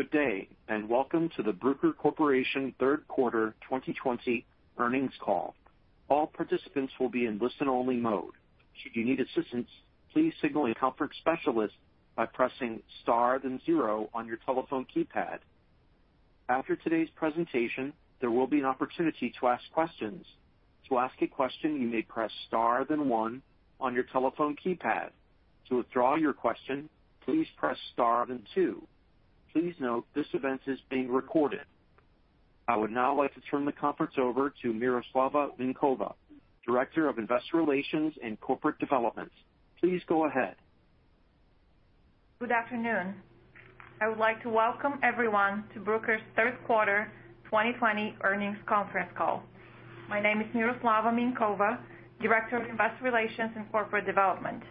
Good day, and welcome to the Bruker Corporation Third Quarter 2020 earnings call. All participants will be in listen-only mode. Should you need assistance, please signal a conference specialist by pressing star then zero on your telephone keypad. After today's presentation, there will be an opportunity to ask questions. To ask a question, you may press star then one on your telephone keypad. To withdraw your question, please press star then two. Please note this event is being recorded. I would now like to turn the conference over to Miroslava Minkova, Director of Investor Relations and Corporate Development. Please go ahead. Good afternoon. I would like to welcome everyone to Bruker's Third Quarter 2020 earnings conference call. My name is Miroslava Minkova, Director of Investor Relations and Corporate Development.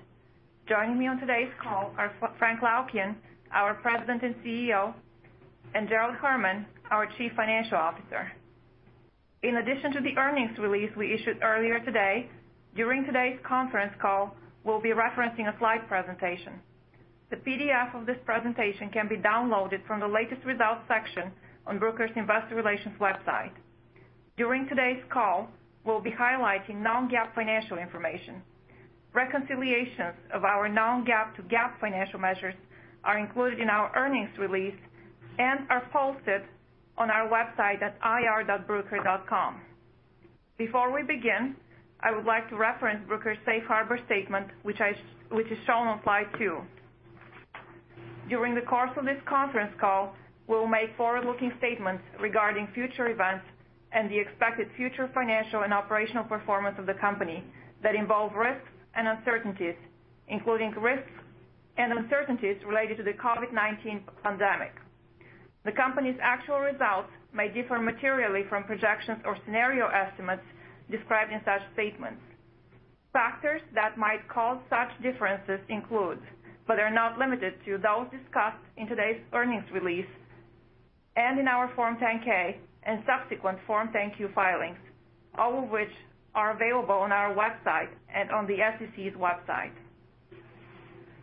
Joining me on today's call are Frank Laukien, our President and CEO, and Gerald Herman, our Chief Financial Officer. In addition to the earnings release we issued earlier today, during today's conference call, we'll be referencing a slide presentation. The PDF of this presentation can be downloaded from the latest results section on Bruker's Investor Relations website. During today's call, we'll be highlighting non-GAAP financial information. Reconciliations of our non-GAAP to GAAP financial measures are included in our earnings release and are posted on our website at ir.bruker.com. Before we begin, I would like to reference Bruker's Safe Harbor Statement, which is shown on slide two. During the course of this conference call, we'll make forward-looking statements regarding future events and the expected future financial and operational performance of the company that involve risks and uncertainties, including risks and uncertainties related to the COVID-19 pandemic. The company's actual results may differ materially from projections or scenario estimates described in such statements. Factors that might cause such differences include, but are not limited to, those discussed in today's earnings release and in our Form 10-K and subsequent Form 10-Q filings, all of which are available on our website and on the SEC's website.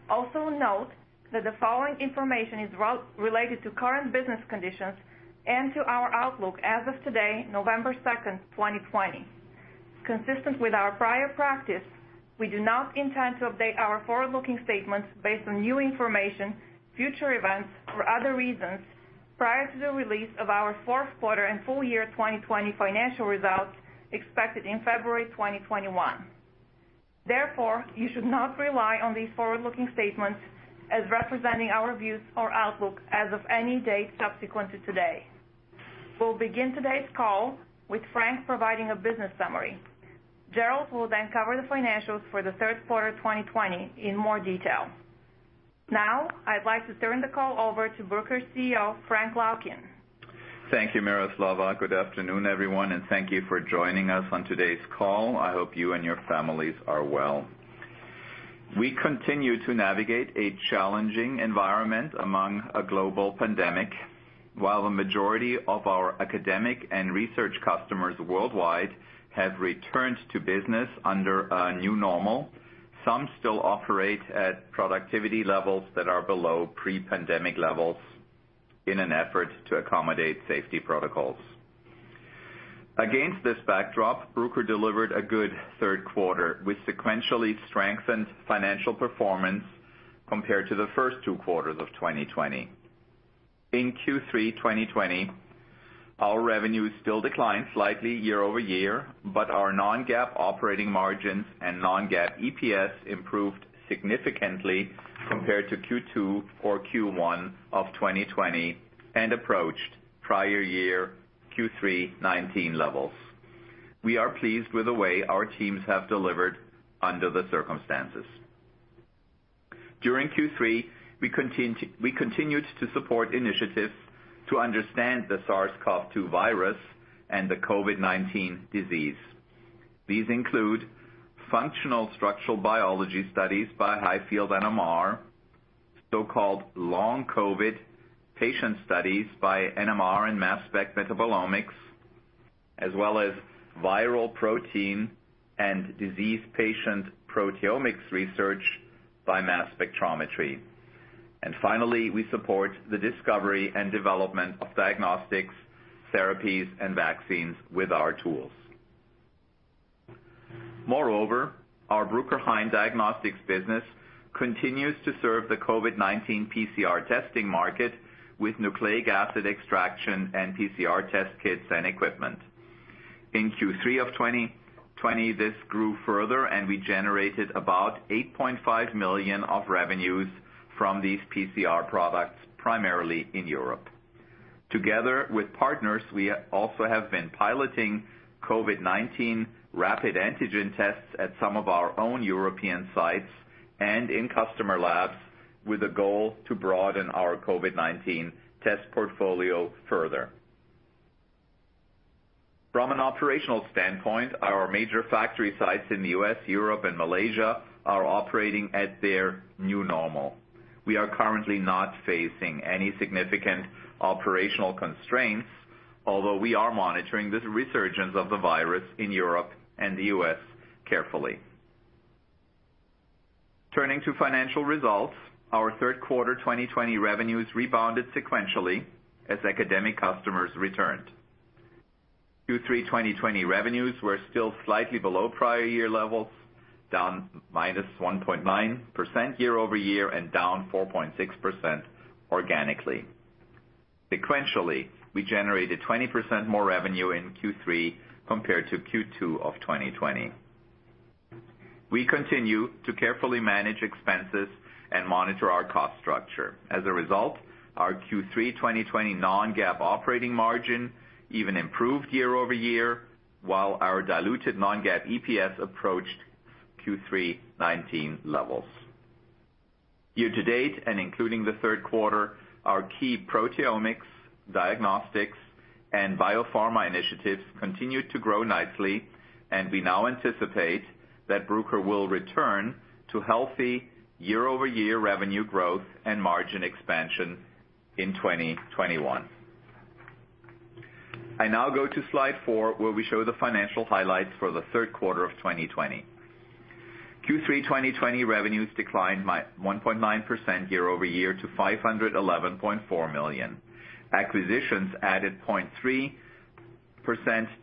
Also note that the following information is related to current business conditions and to our outlook as of today, November 2nd, 2020. Consistent with our prior practice, we do not intend to update our forward-looking statements based on new information, future events, or other reasons prior to the release of our fourth quarter and full year 2020 financial results expected in February 2021. Therefore, you should not rely on these forward-looking statements as representing our views or outlook as of any date subsequent to today. We'll begin today's call with Frank providing a business summary. Gerald will then cover the financials for the third quarter 2020 in more detail. Now, I'd like to turn the call over to Bruker's CEO, Frank Laukien. Thank you, Miroslava. Good afternoon, everyone, and thank you for joining us on today's call. I hope you and your families are well. We continue to navigate a challenging environment among a global pandemic. While the majority of our academic and research customers worldwide have returned to business under a new normal, some still operate at productivity levels that are below pre-pandemic levels in an effort to accommodate safety protocols. Against this backdrop, Bruker delivered a good third quarter with sequentially strengthened financial performance compared to the first two quarters of 2020. In Q3 2020, our revenue still declined slightly year-over-year, but our non-GAAP operating margins and non-GAAP EPS improved significantly compared to Q2 or Q1 of 2020 and approached prior year Q3 2019 levels. We are pleased with the way our teams have delivered under the circumstances. During Q3, we continued to support initiatives to understand the SARS-CoV-2 virus and the COVID-19 disease. These include functional structural biology studies by High-field NMR, so-called long COVID patient studies by NMR and mass spec metabolomics, as well as viral protein and disease patient proteomics research by mass spectrometry. And finally, we support the discovery and development of diagnostics, therapies, and vaccines with our tools. Moreover, our Bruker Hain Diagnostics business continues to serve the COVID-19 PCR testing market with nucleic acid extraction and PCR test kits and equipment. In Q3 of 2020, this grew further, and we generated about $8.5 million of revenues from these PCR products, primarily in Europe. Together with partners, we also have been piloting COVID-19 rapid antigen tests at some of our own European sites and in customer labs with a goal to broaden our COVID-19 test portfolio further. From an operational standpoint, our major factory sites in the U.S., Europe, and Malaysia are operating at their new normal. We are currently not facing any significant operational constraints, although we are monitoring the resurgence of the virus in Europe and the U.S. carefully. Turning to financial results, our third quarter 2020 revenues rebounded sequentially as academic customers returned. Q3 2020 revenues were still slightly below prior year levels, down minus 1.9% year-over-year and down 4.6% organically. Sequentially, we generated 20% more revenue in Q3 compared to Q2 of 2020. We continue to carefully manage expenses and monitor our cost structure. As a result, our Q3 2020 non-GAAP operating margin even improved year-over-year, while our diluted non-GAAP EPS approached Q3 2019 levels. year-to-date, and including the third quarter, our key proteomics, diagnostics, and biopharma initiatives continued to grow nicely, and we now anticipate that Bruker will return to healthy year-over-year revenue growth and margin expansion in 2021. I now go to slide four, where we show the financial highlights for the third quarter of 2020. Q3 2020 revenues declined by 1.9% year-over-year to $511.4 million. Acquisitions added 0.3%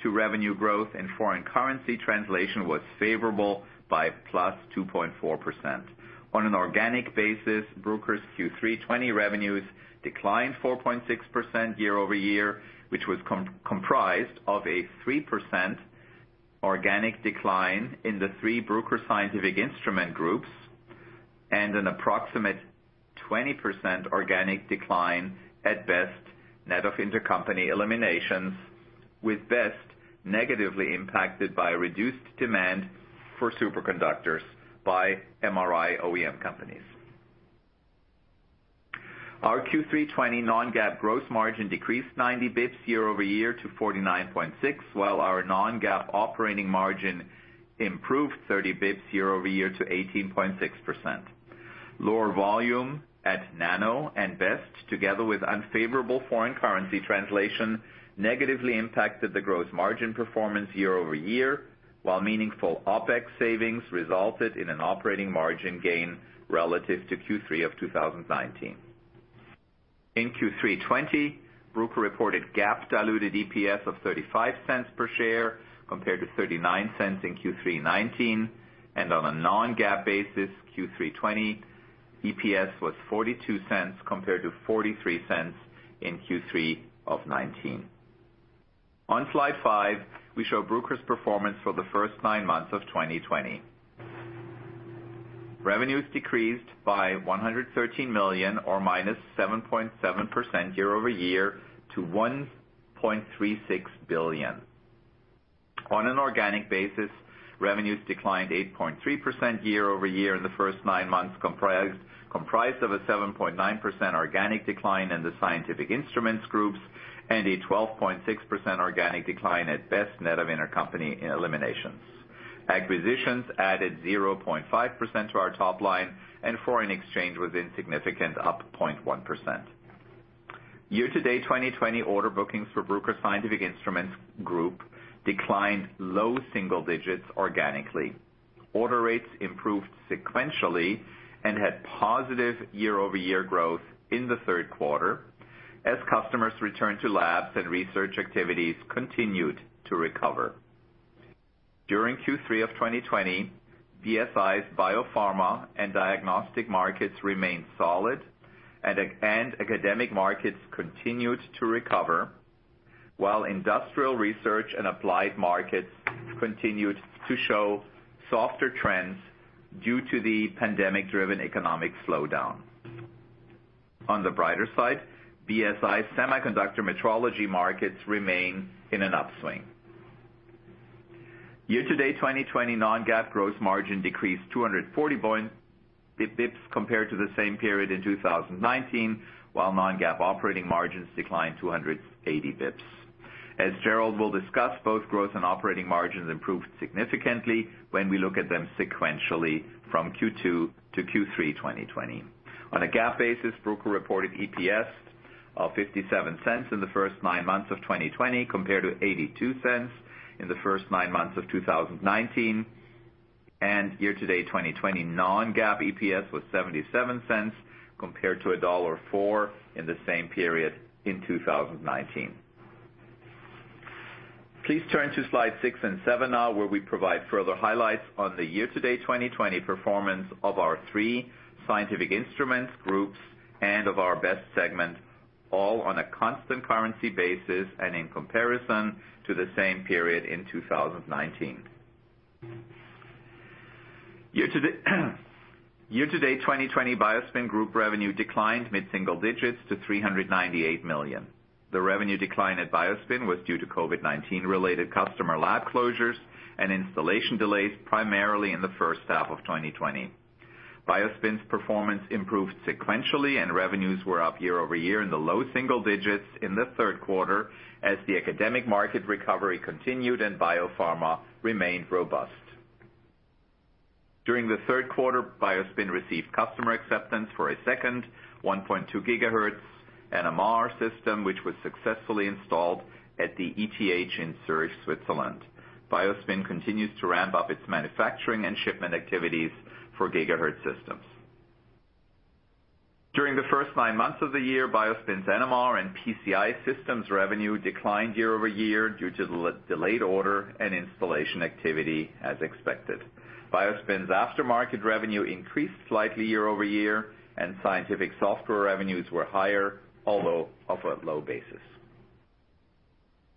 to revenue growth, and foreign currency translation was favorable by +2.4%. On an organic basis, Bruker's Q3 20 revenues declined 4.6% year-over-year, which was comprised of a 3% organic decline in the three Bruker scientific instrument groups and an approximate 20% organic decline at BEST net of intercompany eliminations, with BEST negatively impacted by reduced demand for superconductors by MRI OEM companies. Our Q3 2020 non-GAAP gross margin decreased 90 basis points year-over-year to 49.6%, while our non-GAAP operating margin improved 30 basis points year-over-year to 18.6%. Lower volume at Nano and BEST, together with unfavorable foreign currency translation, negatively impacted the gross margin performance year-over-year, while meaningful OpEx savings resulted in an operating margin gain relative to Q3 of 2019. In Q3 2020, Bruker reported GAAP diluted EPS of $0.35 per share compared to $0.39 in Q3 2019, and on a non-GAAP basis, Q3 2020 EPS was $0.42 compared to $0.43 in Q3 of 2019. On slide five, we show Bruker's performance for the first nine months of 2020. Revenues decreased by $113 million, or minus 7.7% year-over-year, to $1.36 billion. On an organic basis, revenues declined 8.3% year-over-year in the first nine months, comprised of a 7.9% organic decline in the scientific instruments groups and a 12.6% organic decline at BEST net of intercompany eliminations. Acquisitions added 0.5% to our top line, and foreign exchange was insignificant, up 0.1%. year-to-date 2020, order bookings for Bruker scientific instruments group declined low single digits organically. Order rates improved sequentially and had positive year-over-year growth in the third quarter as customers returned to labs and research activities continued to recover. During Q3 of 2020, BSI's biopharma and diagnostic markets remained solid, and academic markets continued to recover, while industrial research and applied markets continued to show softer trends due to the pandemic-driven economic slowdown. On the brighter side, BSI semiconductor metrology markets remain in an upswing. year-to-date 2020, non-GAAP gross margin decreased 240 basis points compared to the same period in 2019, while non-GAAP operating margins declined 280 basis points. As Gerald will discuss, both growth and operating margins improved significantly when we look at them sequentially from Q2 to Q3 2020. On a GAAP basis, Bruker reported EPS of $0.57 in the first nine months of 2020 compared to $0.82 in the first nine months of 2019, and year-to-date 2020, non-GAAP EPS was $0.77 compared to $1.04 in the same period in 2019. Please turn to slide six and seven now, where we provide further highlights on the year-to-date 2020 performance of our three scientific instruments groups and of our BEST segment, all on a constant currency basis and in comparison to the same period in 2019. Year-to-date 2020, BioSpin Group revenue declined mid-single digits to $398 million. The revenue decline at BioSpin was due to COVID-19-related customer lab closures and installation delays, primarily in the first half of 2020. BioSpin's performance improved sequentially, and revenues were up year-over-year in the low single digits in the third quarter as the academic market recovery continued and biopharma remained robust. During the third quarter, BioSpin received customer acceptance for a second 1.2 GHz NMR system, which was successfully installed at the ETH Zurich in Switzerland. BioSpin continues to ramp up its manufacturing and shipment activities for GHz systems. During the first nine months of the year, BioSpin's NMR and PCI systems revenue declined year-over-year due to the delayed order and installation activity, as expected. BioSpin's aftermarket revenue increased slightly year-over-year, and scientific software revenues were higher, although off a low basis.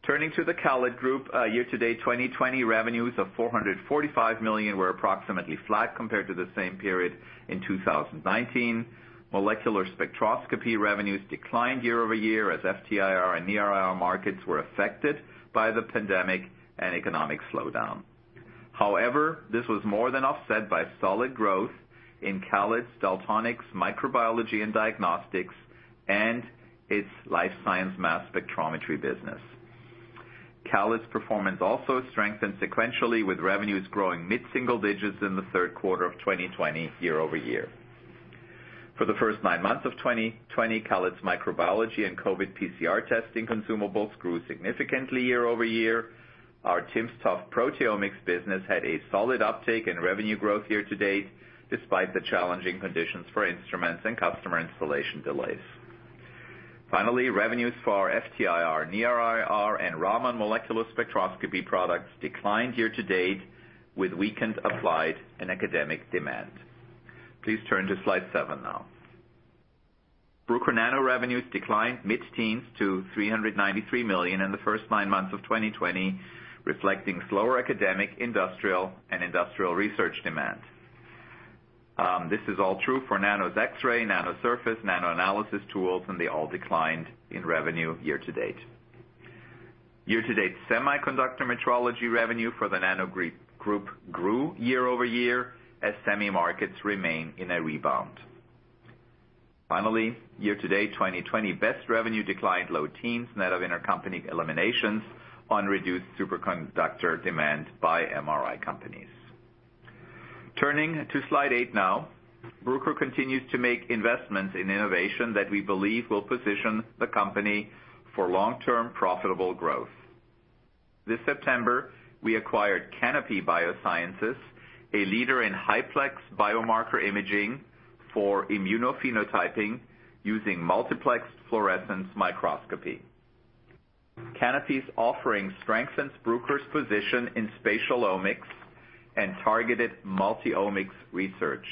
Turning to the CALID Group, year-to-date 2020, revenues of $445 million were approximately flat compared to the same period in 2019. Molecular spectroscopy revenues declined year-over-year as FTIR and NIR markets were affected by the pandemic and economic slowdown. However, this was more than offset by solid growth in CALID's Daltonics microbiology and diagnostics and its life science mass spectrometry business. CALID's performance also strengthened sequentially, with revenues growing mid-single digits in the third quarter of 2020 year-over-year. For the first nine months of 2020, CALID's microbiology and COVID PCR testing consumables grew significantly year-over-year. Our timsTOF proteomics business had a solid uptake in revenue growth year-to-date, despite the challenging conditions for instruments and customer installation delays. Finally, revenues for our FTIR, NIR, and Raman molecular spectroscopy products declined year-to-date, with weakened applied and academic demand. Please turn to slide seven now. Bruker Nano revenues declined mid-teens% to $393 million in the first nine months of 2020, reflecting slower academic, industrial, and industrial research demand. This is all true for Nano's X-ray, Nano Surface, Nano Analysis tools, and they all declined in revenue year-to-date. year-to-date, semiconductor metrology revenue for the Nano Group grew year-over-year as semi markets remain in a rebound. Finally, year-to-date 2020, BEST revenue declined low teens% net of intercompany eliminations on reduced superconductor demand by MRI companies. Turning to slide eight now, Bruker continues to make investments in innovation that we believe will position the company for long-term profitable growth. This September, we acquired Canopy Biosciences, a leader in high-plex biomarker imaging for immunophenotyping using multiplexed fluorescence microscopy. Canopy's offering strengthens Bruker's position in spatial omics and targeted multi-omics research.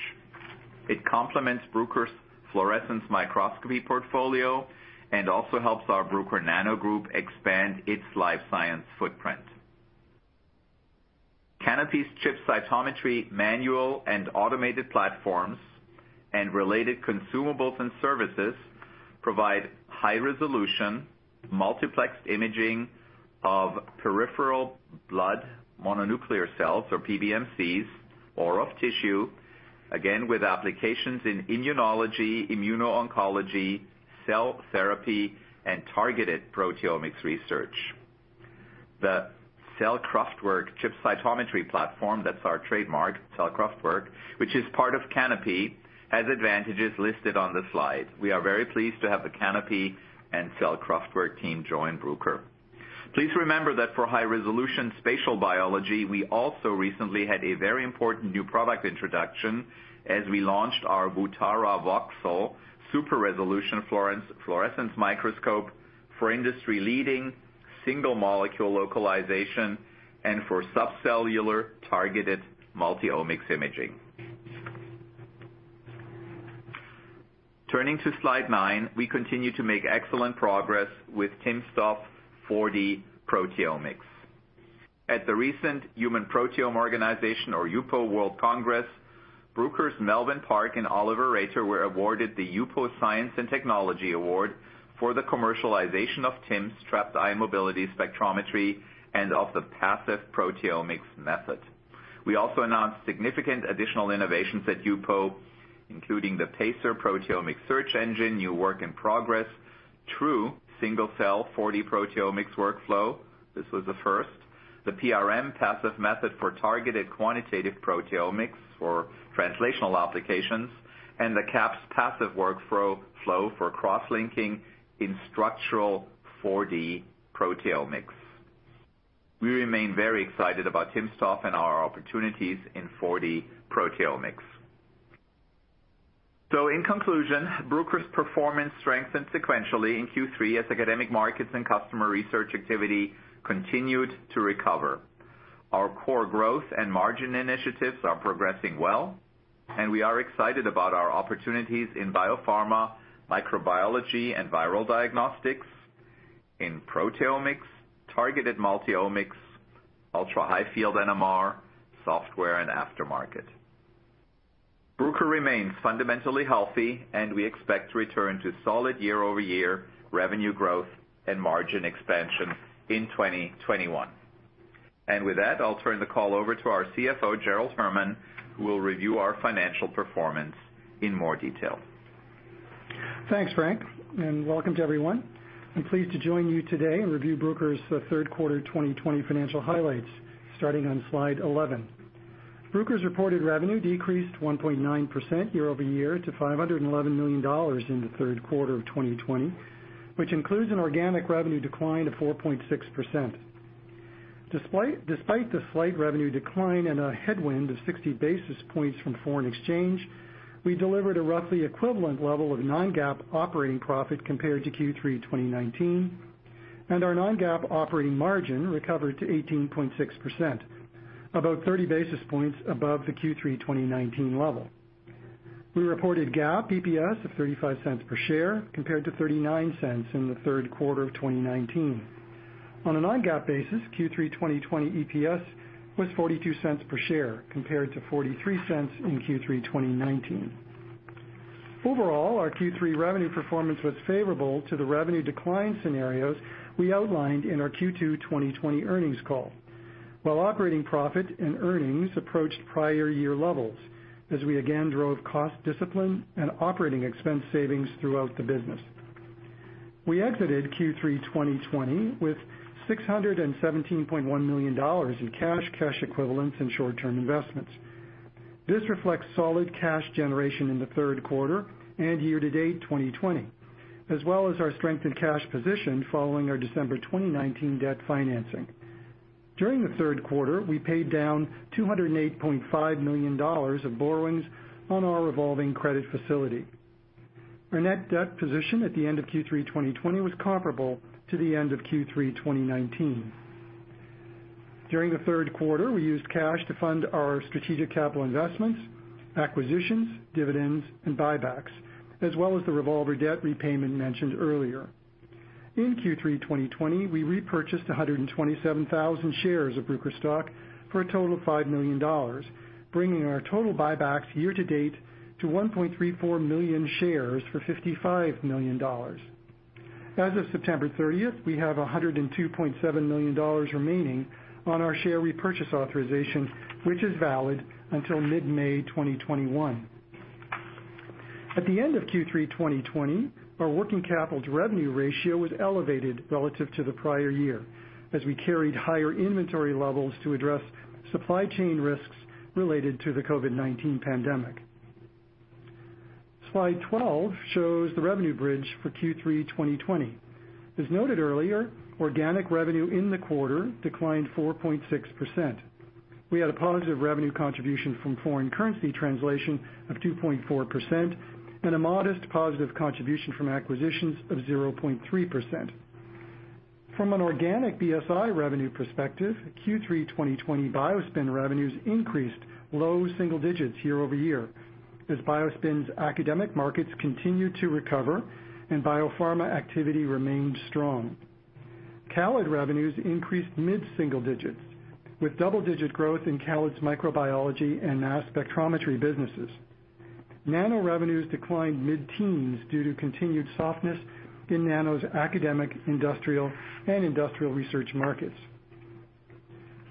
It complements Bruker's fluorescence microscopy portfolio and also helps our Bruker Nano Group expand its life science footprint. Canopy's ChipCytometry manual and automated platforms and related consumables and services provide high-resolution multiplexed imaging of peripheral blood mononuclear cells, or PBMCs, or of tissue, again with applications in immunology, immuno-oncology, cell therapy, and targeted proteomics research. The Zellkraftwerk ChipCytometry platform, that's our trademark, Zellkraftwerk, which is part of Canopy, has advantages listed on the slide. We are very pleased to have the Canopy and Zellkraftwerk team join Bruker. Please remember that for high-resolution spatial biology, we also recently had a very important new product introduction as we launched our Vutara Voxel super-resolution fluorescence microscope for industry-leading single molecule localization and for subcellular targeted multi-omics imaging. Turning to slide nine, we continue to make excellent progress with timsTOF 4D proteomics. At the recent Human Proteome Organization, or HUPO, World Congress, Bruker's Melvin Park and Oliver Raether were awarded the HUPO Science and Technology Award for the commercialization of TIMS trapped ion mobility spectrometry and of the PASEF proteomics method. We also announced significant additional innovations at HUPO, including the PaSER proteomic search engine, new work in progress, True single-cell 4D proteomics workflow. This was the first. The prm-PASEF method for targeted quantitative proteomics for translational applications and the caps-PASEF workflow for cross-linking in structural 4D proteomics. We remain very excited about TIMS TOF and our opportunities in 4D proteomics. So in conclusion, Bruker's performance strengthened sequentially in Q3 as academic markets and customer research activity continued to recover. Our core growth and margin initiatives are progressing well, and we are excited about our opportunities in biopharma, microbiology, and viral diagnostics, in proteomics, targeted multi-omics, ultra-high field NMR, software, and aftermarket. Bruker remains fundamentally healthy, and we expect to return to solid year-over-year revenue growth and margin expansion in 2021. And with that, I'll turn the call over to our CFO, Gerald Herman, who will review our financial performance in more detail. Thanks, Frank, and welcome to everyone. I'm pleased to join you today and review Bruker's third quarter 2020 financial highlights, starting on slide 11. Bruker's reported revenue decreased 1.9% year-over-year to $511 million in the third quarter of 2020, which includes an organic revenue decline of 4.6%. Despite the slight revenue decline and a headwind of 60 basis points from foreign exchange, we delivered a roughly equivalent level of non-GAAP operating profit compared to Q3 2019, and our non-GAAP operating margin recovered to 18.6%, about 30 basis points above the Q3 2019 level. We reported GAAP EPS of $0.35 per share compared to $0.39 in the third quarter of 2019. On a non-GAAP basis, Q3 2020 EPS was $0.42 per share compared to $0.43 in Q3 2019. Overall, our Q3 revenue performance was favorable to the revenue decline scenarios we outlined in our Q2 2020 earnings call, while operating profit and earnings approached prior year levels as we again drove cost discipline and operating expense savings throughout the business. We exited Q3 2020 with $617.1 million in cash, cash equivalents, and short-term investments. This reflects solid cash generation in the third quarter and year-to-date 2020, as well as our strengthened cash position following our December 2019 debt financing. During the third quarter, we paid down $208.5 million of borrowings on our revolving credit facility. Our net debt position at the end of Q3 2020 was comparable to the end of Q3 2019. During the third quarter, we used cash to fund our strategic capital investments, acquisitions, dividends, and buybacks, as well as the revolver debt repayment mentioned earlier. In Q3 2020, we repurchased 127,000 shares of Bruker stock for a total of $5 million, bringing our total buybacks year-to-date to 1.34 million shares for $55 million. As of September 30th, we have $102.7 million remaining on our share repurchase authorization, which is valid until mid-May 2021. At the end of Q3 2020, our working capital revenue ratio was elevated relative to the prior year as we carried higher inventory levels to address supply chain risks related to the COVID-19 pandemic. Slide 12 shows the revenue bridge for Q3 2020. As noted earlier, organic revenue in the quarter declined 4.6%. We had a positive revenue contribution from foreign currency translation of 2.4% and a modest positive contribution from acquisitions of 0.3%. From an organic BSI revenue perspective, Q3 2020 BioSpin revenues increased low single digits year-over-year as BioSpin's academic markets continued to recover and biopharma activity remained strong. CALID revenues increased mid-single digits with double-digit growth in CALID's microbiology and mass spectrometry businesses. Nano revenues declined mid-teens due to continued softness in Nano's academic, industrial, and industrial research markets.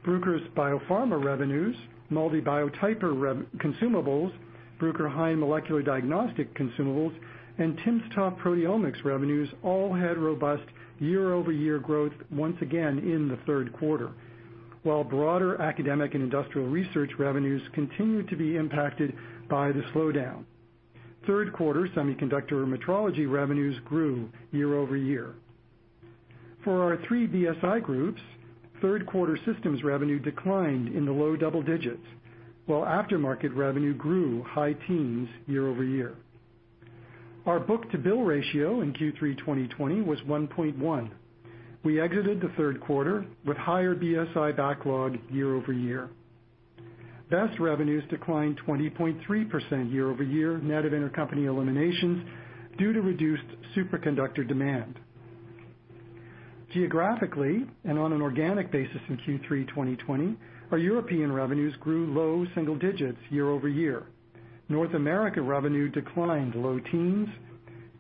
Bruker's biopharma revenues, MALDI Biotyper consumables, Bruker Hain Diagnostics consumables, and timsTOF proteomics revenues all had robust year-over-year growth once again in the third quarter, while broader academic and industrial research revenues continued to be impacted by the slowdown. Third quarter semiconductor metrology revenues grew year-over-year. For our three BSI groups, third quarter systems revenue declined in the low double digits, while aftermarket revenue grew high teens year-over-year. Our book-to-bill ratio in Q3 2020 was 1.1. We exited the third quarter with higher BSI backlog year-over-year. BEST revenues declined 20.3% year-over-year net of intercompany eliminations due to reduced superconductor demand. Geographically and on an organic basis in Q3 2020, our European revenues grew low single digits year-over-year. North America revenue declined low teens.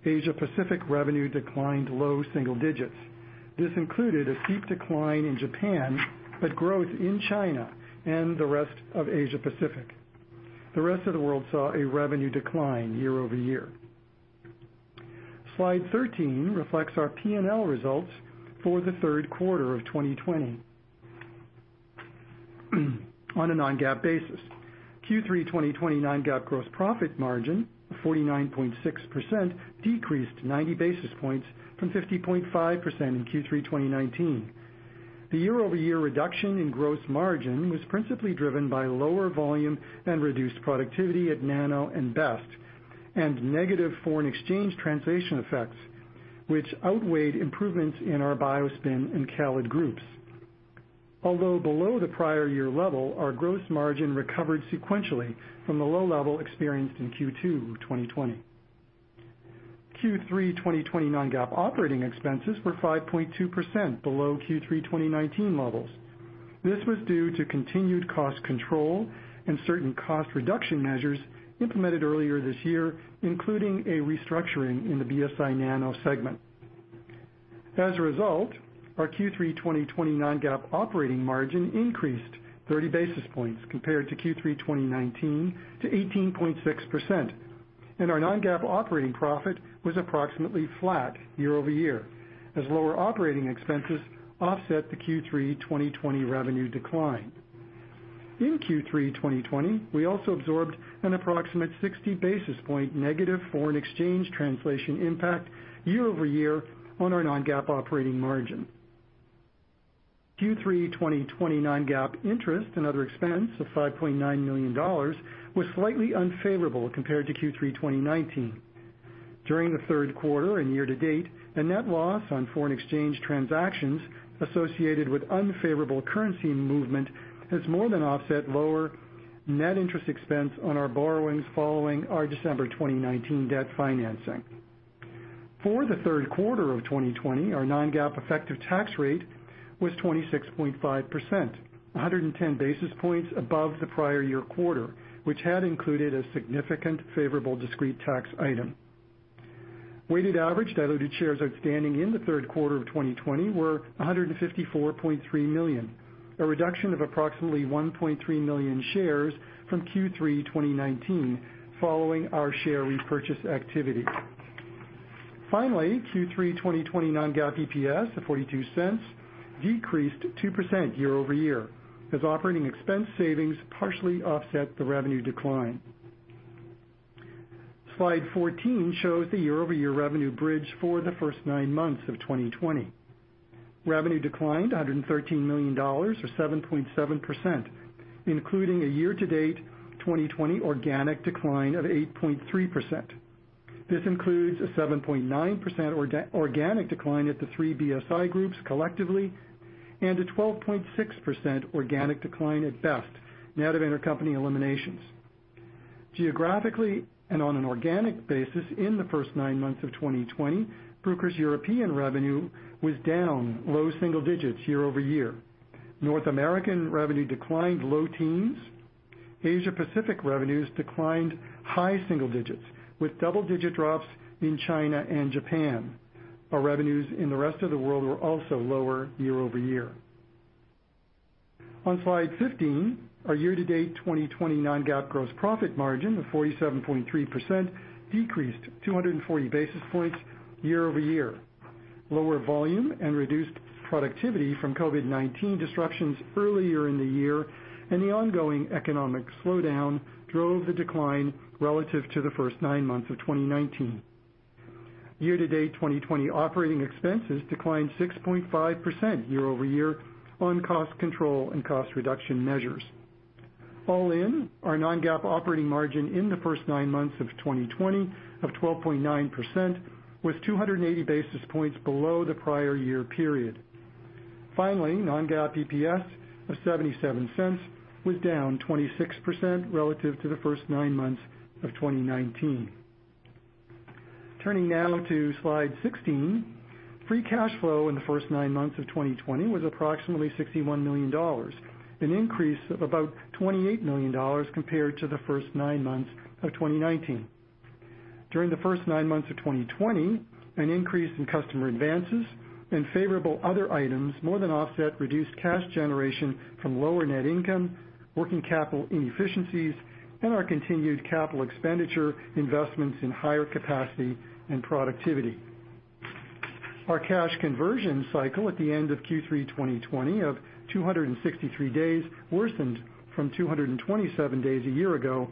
Asia-Pacific revenue declined low single digits. This included a steep decline in Japan, but growth in China and the rest of Asia-Pacific. The rest of the world saw a revenue decline year-over-year. Slide 13 reflects our P&L results for the third quarter of 2020 on a non-GAAP basis. Q3 2020 non-GAAP gross profit margin of 49.6% decreased 90 basis points from 50.5% in Q3 2019. The year-over-year reduction in gross margin was principally driven by lower volume and reduced productivity at Nano and BEST and negative foreign exchange translation effects, which outweighed improvements in our BioSpin and CALID groups. Although below the prior year level, our gross margin recovered sequentially from the low level experienced in Q2 2020. Q3 2020 non-GAAP operating expenses were 5.2% below Q3 2019 levels. This was due to continued cost control and certain cost reduction measures implemented earlier this year, including a restructuring in the BSI Nano segment. As a result, our Q3 2020 non-GAAP operating margin increased 30 basis points compared to Q3 2019 to 18.6%, and our non-GAAP operating profit was approximately flat year-over-year as lower operating expenses offset the Q3 2020 revenue decline. In Q3 2020, we also absorbed an approximate 60 basis point negative foreign exchange translation impact year-over-year on our non-GAAP operating margin. Q3 2020 non-GAAP interest and other expense of $5.9 million was slightly unfavorable compared to Q3 2019. During the third quarter and year-to-date, a net loss on foreign exchange transactions associated with unfavorable currency movement has more than offset lower net interest expense on our borrowings following our December 2019 debt financing. For the third quarter of 2020, our non-GAAP effective tax rate was 26.5%, 110 basis points above the prior year quarter, which had included a significant favorable discrete tax item. Weighted average diluted shares outstanding in the third quarter of 2020 were 154.3 million, a reduction of approximately 1.3 million shares from Q3 2019 following our share repurchase activity. Finally, Q3 2020 non-GAAP EPS of $0.42 decreased 2% year-over-year as operating expense savings partially offset the revenue decline. Slide 14 shows the year-over-year revenue bridge for the first nine months of 2020. Revenue declined $113 million or 7.7%, including a year-to-date 2020 organic decline of 8.3%. This includes a 7.9% organic decline at the three BSI groups collectively and a 12.6% organic decline at BEST net of intercompany eliminations. Geographically and on an organic basis in the first nine months of 2020, Bruker's European revenue was down low single digits year-over-year. North American revenue declined low teens. Asia-Pacific revenues declined high single digits with double-digit drops in China and Japan. Our revenues in the rest of the world were also lower year-over-year. On slide 15, our year-to-date 2020 non-GAAP gross profit margin of 47.3% decreased 240 basis points year-over-year. Lower volume and reduced productivity from COVID-19 disruptions earlier in the year and the ongoing economic slowdown drove the decline relative to the first nine months of 2019. Year-to-date 2020 operating expenses declined 6.5% year-over-year on cost control and cost reduction measures. All in, our non-GAAP operating margin in the first nine months of 2020 of 12.9% was 280 basis points below the prior year period. Finally, non-GAAP EPS of $0.77 was down 26% relative to the first nine months of 2019. Turning now to slide 16, free cash flow in the first nine months of 2020 was approximately $61 million, an increase of about $28 million compared to the first nine months of 2019. During the first nine months of 2020, an increase in customer advances and favorable other items more than offset reduced cash generation from lower net income, working capital inefficiencies, and our continued capital expenditure investments in higher capacity and productivity. Our cash conversion cycle at the end of Q3 2020 of 263 days worsened from 227 days a year ago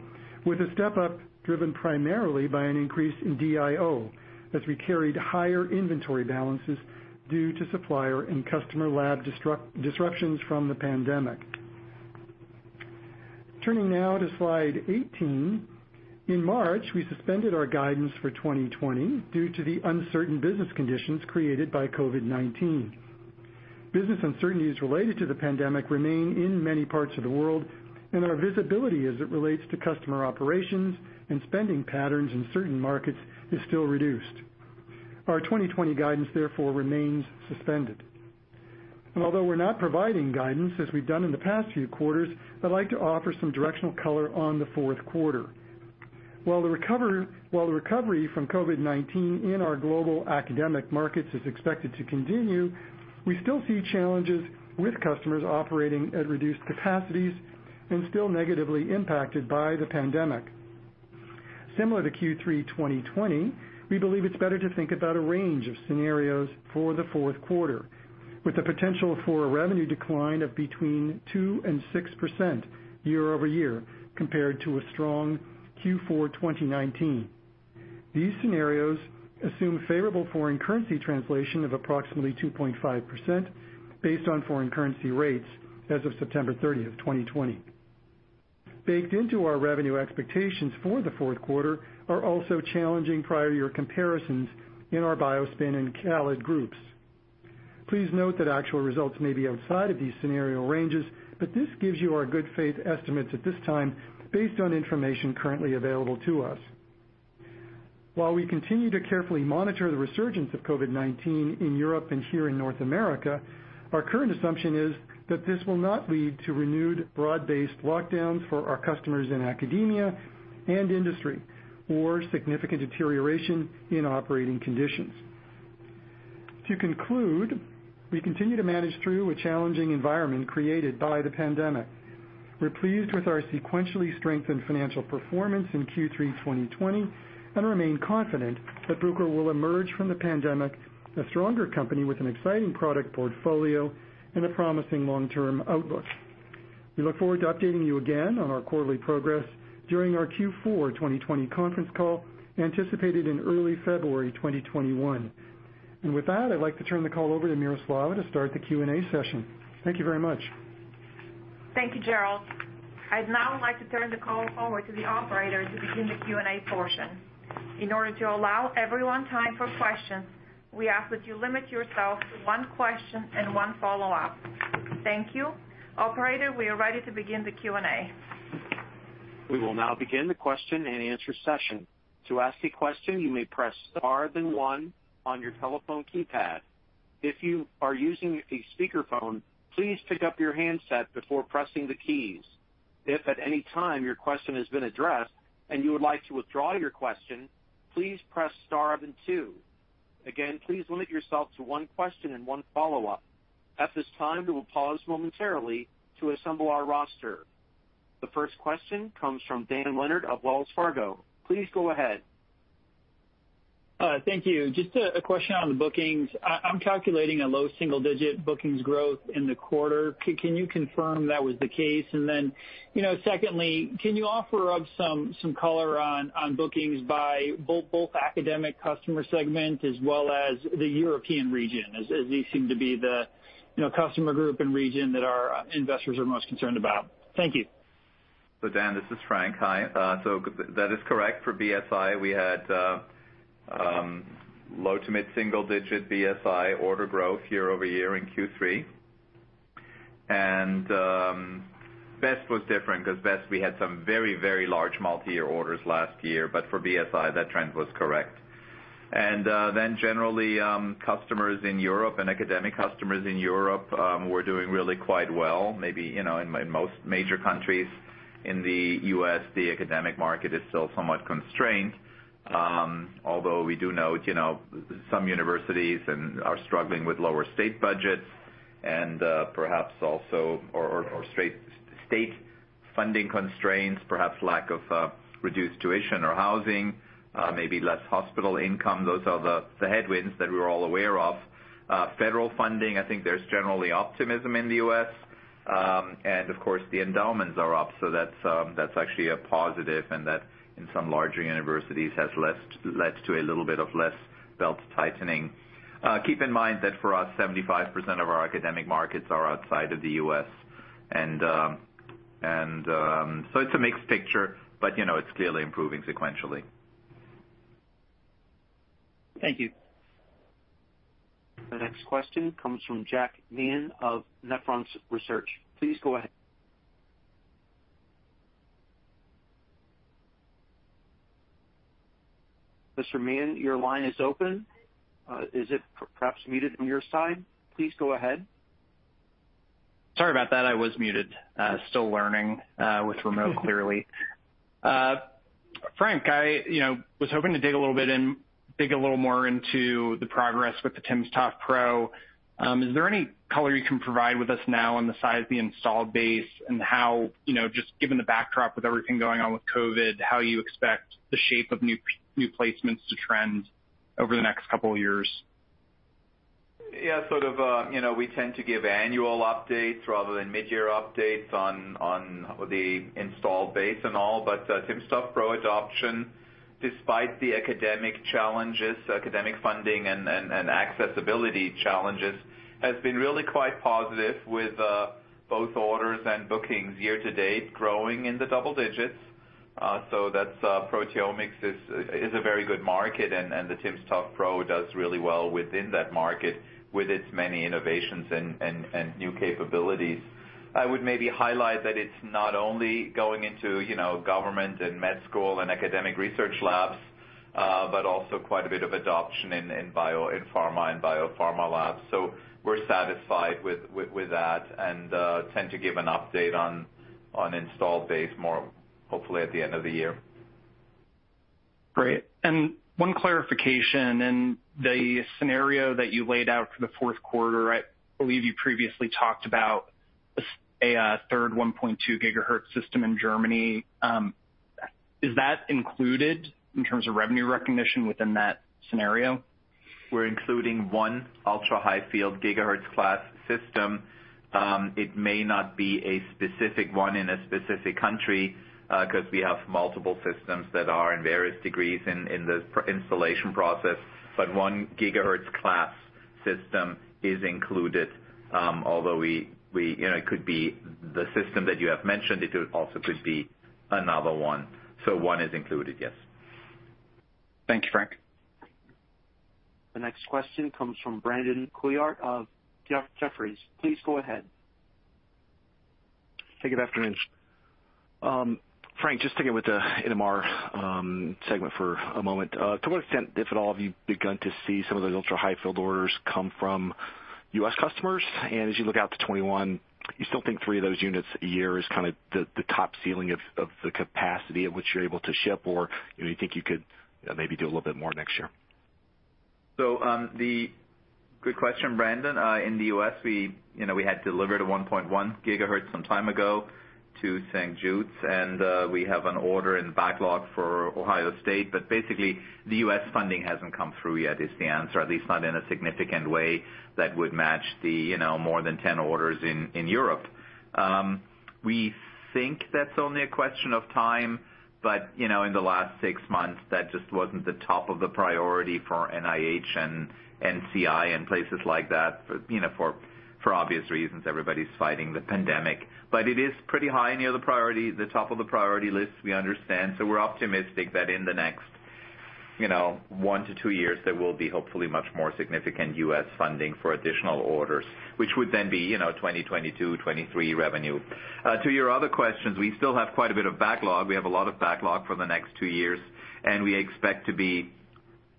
with a step-up driven primarily by an increase in DIO as we carried higher inventory balances due to supplier and customer lab disruptions from the pandemic. Turning now to slide 18, in March, we suspended our guidance for 2020 due to the uncertain business conditions created by COVID-19. Business uncertainties related to the pandemic remain in many parts of the world, and our visibility as it relates to customer operations and spending patterns in certain markets is still reduced. Our 2020 guidance, therefore, remains suspended. Although we're not providing guidance as we've done in the past few quarters, I'd like to offer some directional color on the fourth quarter. While the recovery from COVID-19 in our global academic markets is expected to continue, we still see challenges with customers operating at reduced capacities and still negatively impacted by the pandemic. Similar to Q3 2020, we believe it's better to think about a range of scenarios for the fourth quarter with the potential for a revenue decline of between 2%-6% year-over-year compared to a strong Q4 2019. These scenarios assume favorable foreign currency translation of approximately 2.5% based on foreign currency rates as of September 30th, 2020. Baked into our revenue expectations for the fourth quarter are also challenging prior year comparisons in our BioSpin and CALID groups. Please note that actual results may be outside of these scenario ranges, but this gives you our good faith estimates at this time based on information currently available to us. While we continue to carefully monitor the resurgence of COVID-19 in Europe and here in North America, our current assumption is that this will not lead to renewed broad-based lockdowns for our customers in academia and industry or significant deterioration in operating conditions. To conclude, we continue to manage through a challenging environment created by the pandemic. We're pleased with our sequentially strengthened financial performance in Q3 2020 and remain confident that Bruker will emerge from the pandemic a stronger company with an exciting product portfolio and a promising long-term outlook. We look forward to updating you again on our quarterly progress during our Q4 2020 conference call anticipated in early February 2021. With that, I'd like to turn the call over to Miroslava to start the Q&A session. Thank you very much. Thank you, Gerald. I'd now like to turn the call forward to the operator to begin the Q&A portion. In order to allow everyone time for questions, we ask that you limit yourself to one question and one follow-up. Thank you. Operator, we are ready to begin the Q&A. We will now begin the question and answer session. To ask a question, you may press star then one on your telephone keypad. If you are using a speakerphone, please pick up your handset before pressing the keys. If at any time your question has been addressed and you would like to withdraw your question, please press star then two. Again, please limit yourself to one question and one follow-up. At this time, we will pause momentarily to assemble our roster. The first question comes from Dan Leonard of Wells Fargo. Please go ahead. Thank you. Just a question on the bookings. I'm calculating a low single-digit bookings growth in the quarter. Can you confirm that was the case? And then secondly, can you offer up some color on bookings by both academic customer segment as well as the European region as these seem to be the customer group and region that our investors are most concerned about? Thank you. So, Dan, this is Frank. Hi. So that is correct. For BSI, we had low to mid single-digit BSI order growth year-over-year in Q3. And BEST was different because BEST, we had some very, very large multi-year orders last year, but for BSI, that trend was correct. And then generally, customers in Europe and academic customers in Europe were doing really quite well. Maybe in most major countries in the U.S., the academic market is still somewhat constrained, although we do note some universities are struggling with lower state budgets and perhaps also state funding constraints, perhaps lack of reduced tuition or housing, maybe less hospital income. Those are the headwinds that we're all aware of. Federal funding, I think there's generally optimism in the U.S.. And of course, the endowments are up, so that's actually a positive, and that in some larger universities has led to a little bit of less belt tightening. Keep in mind that for us, 75% of our academic markets are outside of the U.S. And so it's a mixed picture, but it's clearly improving sequentially. Thank you. The next question comes from Jack Meehan of Nephron Research. Please go ahead. Mr. Meehan, your line is open. Is it perhaps muted on your side? Please go ahead. Sorry about that. I was muted. Still learning with remote, clearly. Frank, I was hoping to dig a little bit in, dig a little more into the progress with the timsTOF Pro. Is there any color you can provide with us now on the size of the installed base and how, just given the backdrop with everything going on with COVID, how you expect the shape of new placements to trend over the next couple of years? Yeah, sort of we tend to give annual updates rather than mid-year updates on the installed base and all, but timsTOF Pro adoption, despite the academic challenges, academic funding and accessibility challenges, has been really quite positive with both orders and bookings year-to-date growing in the double digits. So that's Proteomics is a very good market, and the timsTOF Pro does really well within that market with its many innovations and new capabilities. I would maybe highlight that it's not only going into government and med school and academic research labs, but also quite a bit of adoption in pharma and biopharma labs. So we're satisfied with that and tend to give an update on installed base more hopefully at the end of the year. Great, and one clarification in the scenario that you laid out for the fourth quarter. I believe you previously talked about a third 1.2 gigahertz system in Germany. Is that included in terms of revenue recognition within that scenario? We're including one ultra-high field gigahertz class system. It may not be a specific one in a specific country because we have multiple systems that are in various degrees in the installation process, but one gigahertz class system is included, although it could be the system that you have mentioned, it also could be another one. So one is included, yes. Thank you, Frank. The next question comes from Brandon Couillard of Jefferies. Please go ahead. Hey, good afternoon. Frank, just sticking with the NMR segment for a moment. To what extent, if at all, have you begun to see some of those ultra-high field orders come from U.S. customers? And as you look out to 2021, you still think three of those units a year is kind of the top ceiling of the capacity at which you're able to ship, or you think you could maybe do a little bit more next year? So, the good question, Brandon. In the U.S., we had delivered a 1.1 gigahertz some time ago to St. Jude's, and we have an order in backlog for Ohio State. But basically, the U.S. funding hasn't come through yet is the answer, at least not in a significant way that would match the more than 10 orders in Europe. We think that's only a question of time, but in the last six months, that just wasn't the top of the priority for NIH and NCI and places like that for obvious reasons. Everybody's fighting the pandemic, but it is pretty high near the top of the priority list, we understand. So we're optimistic that in the next one to two years, there will be hopefully much more significant U.S. funding for additional orders, which would then be 2022, 2023 revenue. To your other questions, we still have quite a bit of backlog. We have a lot of backlog for the next two years, and we expect to be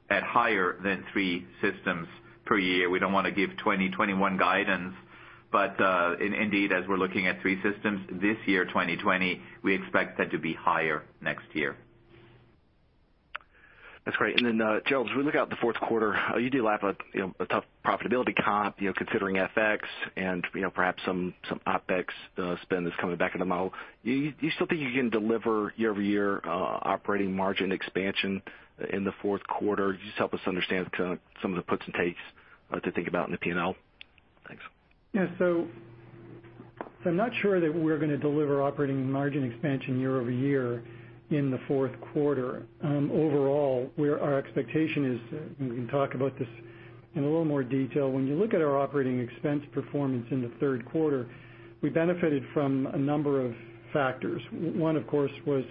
at higher than three systems per year. We don't want to give 2021 guidance, but indeed, as we're looking at three systems this year, 2020, we expect that to be higher next year. That's great. And then, Gerald, as we look at the fourth quarter, you do have a tough profitability comp considering FX and perhaps some OpEx spend that's coming back into model. Do you still think you can deliver year-over-year operating margin expansion in the fourth quarter? Just help us understand some of the puts and takes to think about in the P&L. Thanks. Yeah. So I'm not sure that we're going to deliver operating margin expansion year-over-year in the fourth quarter. Overall, our expectation is, and we can talk about this in a little more detail, when you look at our operating expense performance in the third quarter, we benefited from a number of factors. One, of course, was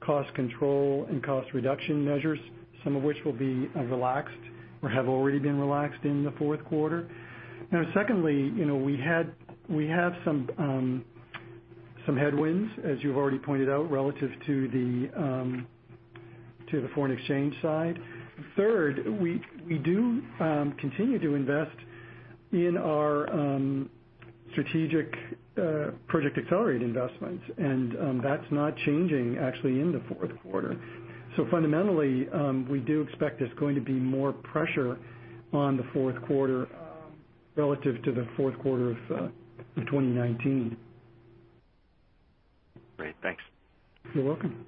cost control and cost reduction measures, some of which will be relaxed or have already been relaxed in the fourth quarter. Now, secondly, we have some headwinds, as you've already pointed out, relative to the foreign exchange side. Third, we do continue to invest in our strategic project accelerated investments, and that's not changing actually in the fourth quarter. So fundamentally, we do expect there's going to be more pressure on the fourth quarter relative to the fourth quarter of 2019. Great. Thanks. You're welcome.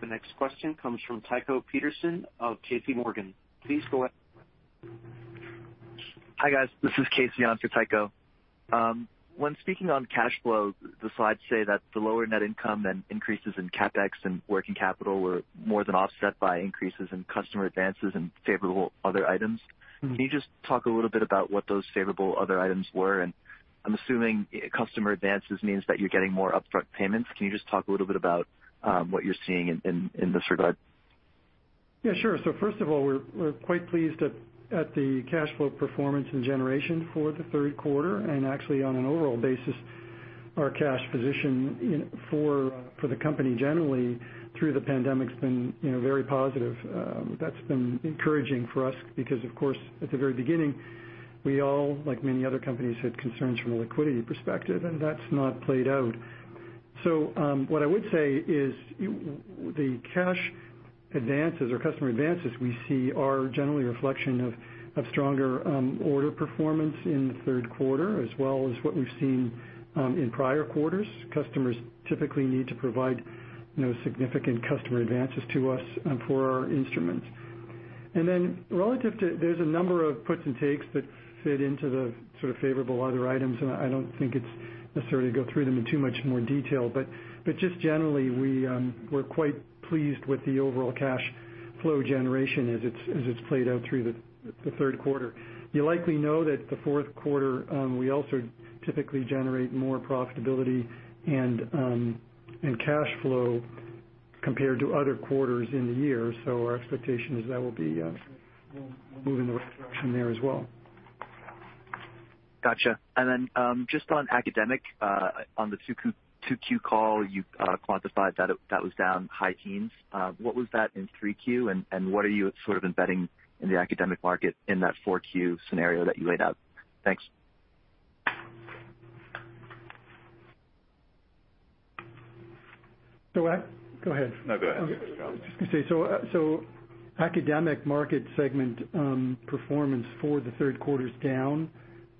The next question comes from Tycho Peterson of JP Morgan. Please go ahead. Hi guys. This is Casey on for Tycho. When speaking on cash flow, the slides say that the lower net income and increases in CapEx and working capital were more than offset by increases in customer advances and favorable other items. Can you just talk a little bit about what those favorable other items were? And I'm assuming customer advances means that you're getting more upfront payments. Can you just talk a little bit about what you're seeing in this regard? Yeah, sure, so first of all, we're quite pleased at the cash flow performance and generation for the third quarter, and actually, on an overall basis, our cash position for the company generally through the pandemic has been very positive. That's been encouraging for us because, of course, at the very beginning, we all, like many other companies, had concerns from a liquidity perspective, and that's not played out, so what I would say is the cash advances or customer advances we see are generally a reflection of stronger order performance in the third quarter, as well as what we've seen in prior quarters. Customers typically need to provide significant customer advances to us for our instruments. And then, relative to, there's a number of puts and takes that fit into the sort of favorable other items, and I don't think it's necessary to go through them in too much more detail, but just generally, we're quite pleased with the overall cash flow generation as it's played out through the third quarter. You likely know that the fourth quarter, we also typically generate more profitability and cash flow compared to other quarters in the year. So our expectation is that we'll be moving in the right direction there as well. Gotcha. And then just on academic, on the 2Q call, you quantified that that was down high teens. What was that in 3Q, and what are you sort of embedding in the academic market in that 4Q scenario that you laid out? Thanks. Go ahead. No, go ahead. Academic market segment performance for the third quarter is down.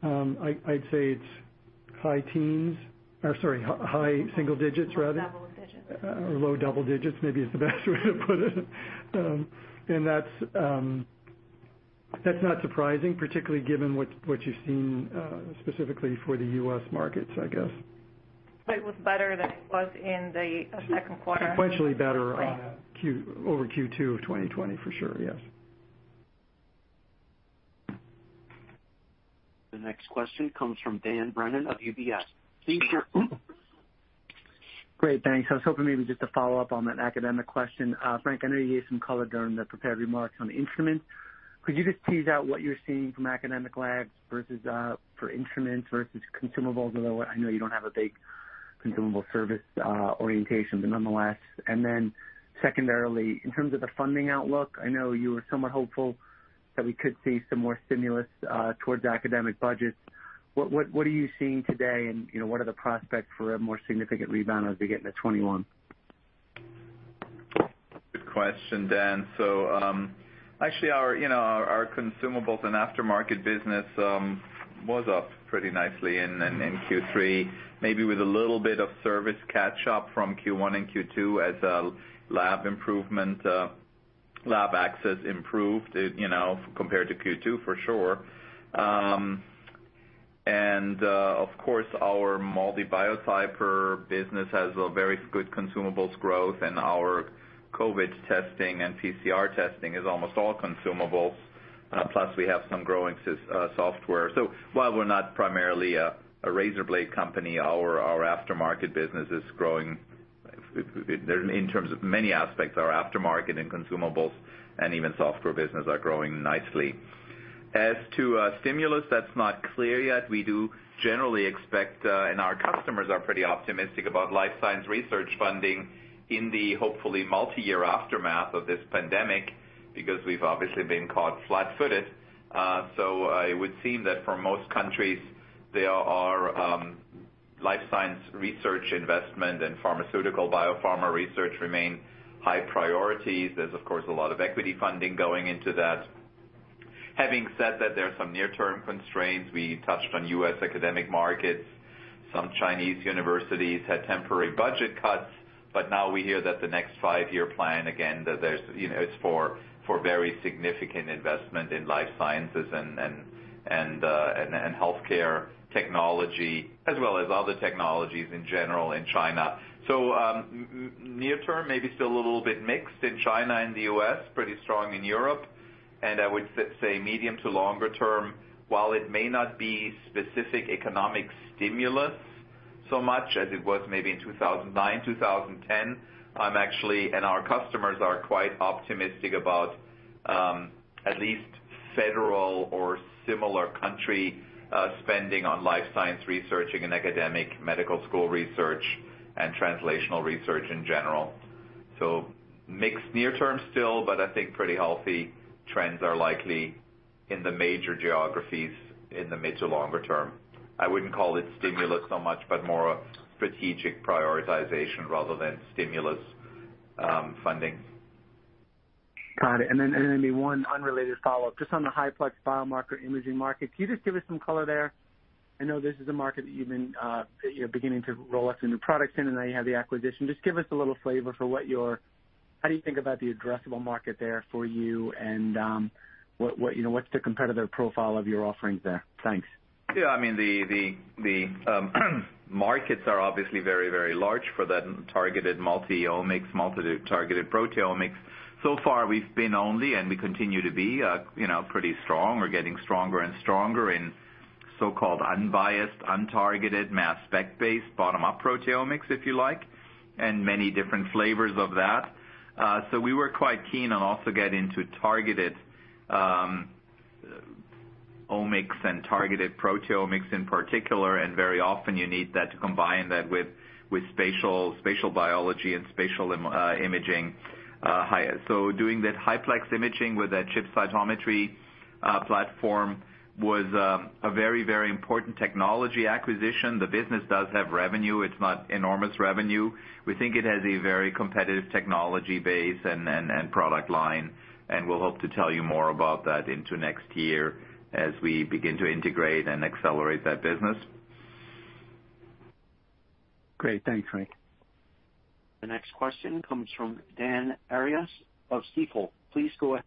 I'd say it's high teens or sorry, high single digits, rather. Low double digits. Or low double digits maybe is the best way to put it. And that's not surprising, particularly given what you've seen specifically for the U.S. markets, I guess. It was better than it was in the second quarter. Sequentially better over Q2 of 2020, for sure. Yes. The next question comes from Dan Brennan of UBS. Please share. Great. Thanks. I was hoping maybe just to follow up on that academic question. Frank, I know you gave some color during the prepared remarks on instruments. Could you just tease out what you're seeing from academic lags versus for instruments versus consumables, although I know you don't have a big consumable service orientation, but nonetheless. And then secondarily, in terms of the funding outlook, I know you were somewhat hopeful that we could see some more stimulus towards academic budgets. What are you seeing today, and what are the prospects for a more significant rebound as we get into 2021? Good question, Dan. So actually, our consumables and aftermarket business was up pretty nicely in Q3, maybe with a little bit of service catch-up from Q1 and Q2 as lab improvement, lab access improved compared to Q2, for sure. And of course, our MALDI Biotyper business has a very good consumables growth, and our COVID testing and PCR testing is almost all consumables, plus we have some growing software. So while we're not primarily a razor blade company, our aftermarket business is growing in terms of many aspects. Our aftermarket and consumables and even software business are growing nicely. As to stimulus, that's not clear yet. We do generally expect, and our customers are pretty optimistic about life science research funding in the hopefully multi-year aftermath of this pandemic because we've obviously been caught flat-footed. So it would seem that for most countries, there are life science research investment and pharmaceutical biopharma research remain high priorities. There's, of course, a lot of equity funding going into that. Having said that, there are some near-term constraints. We touched on U.S. academic markets. Some Chinese universities had temporary budget cuts, but now we hear that the next five-year plan, again, that it's for very significant investment in life sciences and healthcare technology, as well as other technologies in general in China. So near-term, maybe still a little bit mixed in China and the U.S., pretty strong in Europe. I would say medium- to longer-term, while it may not be specific economic stimulus so much as it was maybe in 2009, 2010, I'm actually, and our customers are quite optimistic about at least federal or similar country spending on life science research and academic medical school research and translational research in general. So mixed near-term still, but I think pretty healthy trends are likely in the major geographies in the mid- to longer-term. I wouldn't call it stimulus so much, but more strategic prioritization rather than stimulus funding. Got it. And then maybe one unrelated follow-up, just on the high-plex biomarker imaging market, can you just give us some color there? I know this is a market that you've been beginning to roll up some new products in, and now you have the acquisition. Just give us a little flavor for what your, how do you think about the addressable market there for you, and what's the competitive profile of your offerings there? Thanks. Yeah. I mean, the markets are obviously very, very large for that targeted multi-omics, multitargeted proteomics. So far, we've been only, and we continue to be, pretty strong. We're getting stronger and stronger in so-called unbiased, untargeted, mass-spec-based, bottom-up proteomics, if you like, and many different flavors of that. So we were quite keen on also getting to targeted omics and targeted proteomics in particular, and very often you need that to combine that with spatial biology and spatial imaging. So doing that high-plex imaging with that ChipCytometry platform was a very, very important technology acquisition. The business does have revenue. It's not enormous revenue. We think it has a very competitive technology base and product line, and we'll hope to tell you more about that into next year as we begin to integrate and accelerate that business. Great. Thanks, Frank. The next question comes from Dan Arias of Stifel. Please go ahead.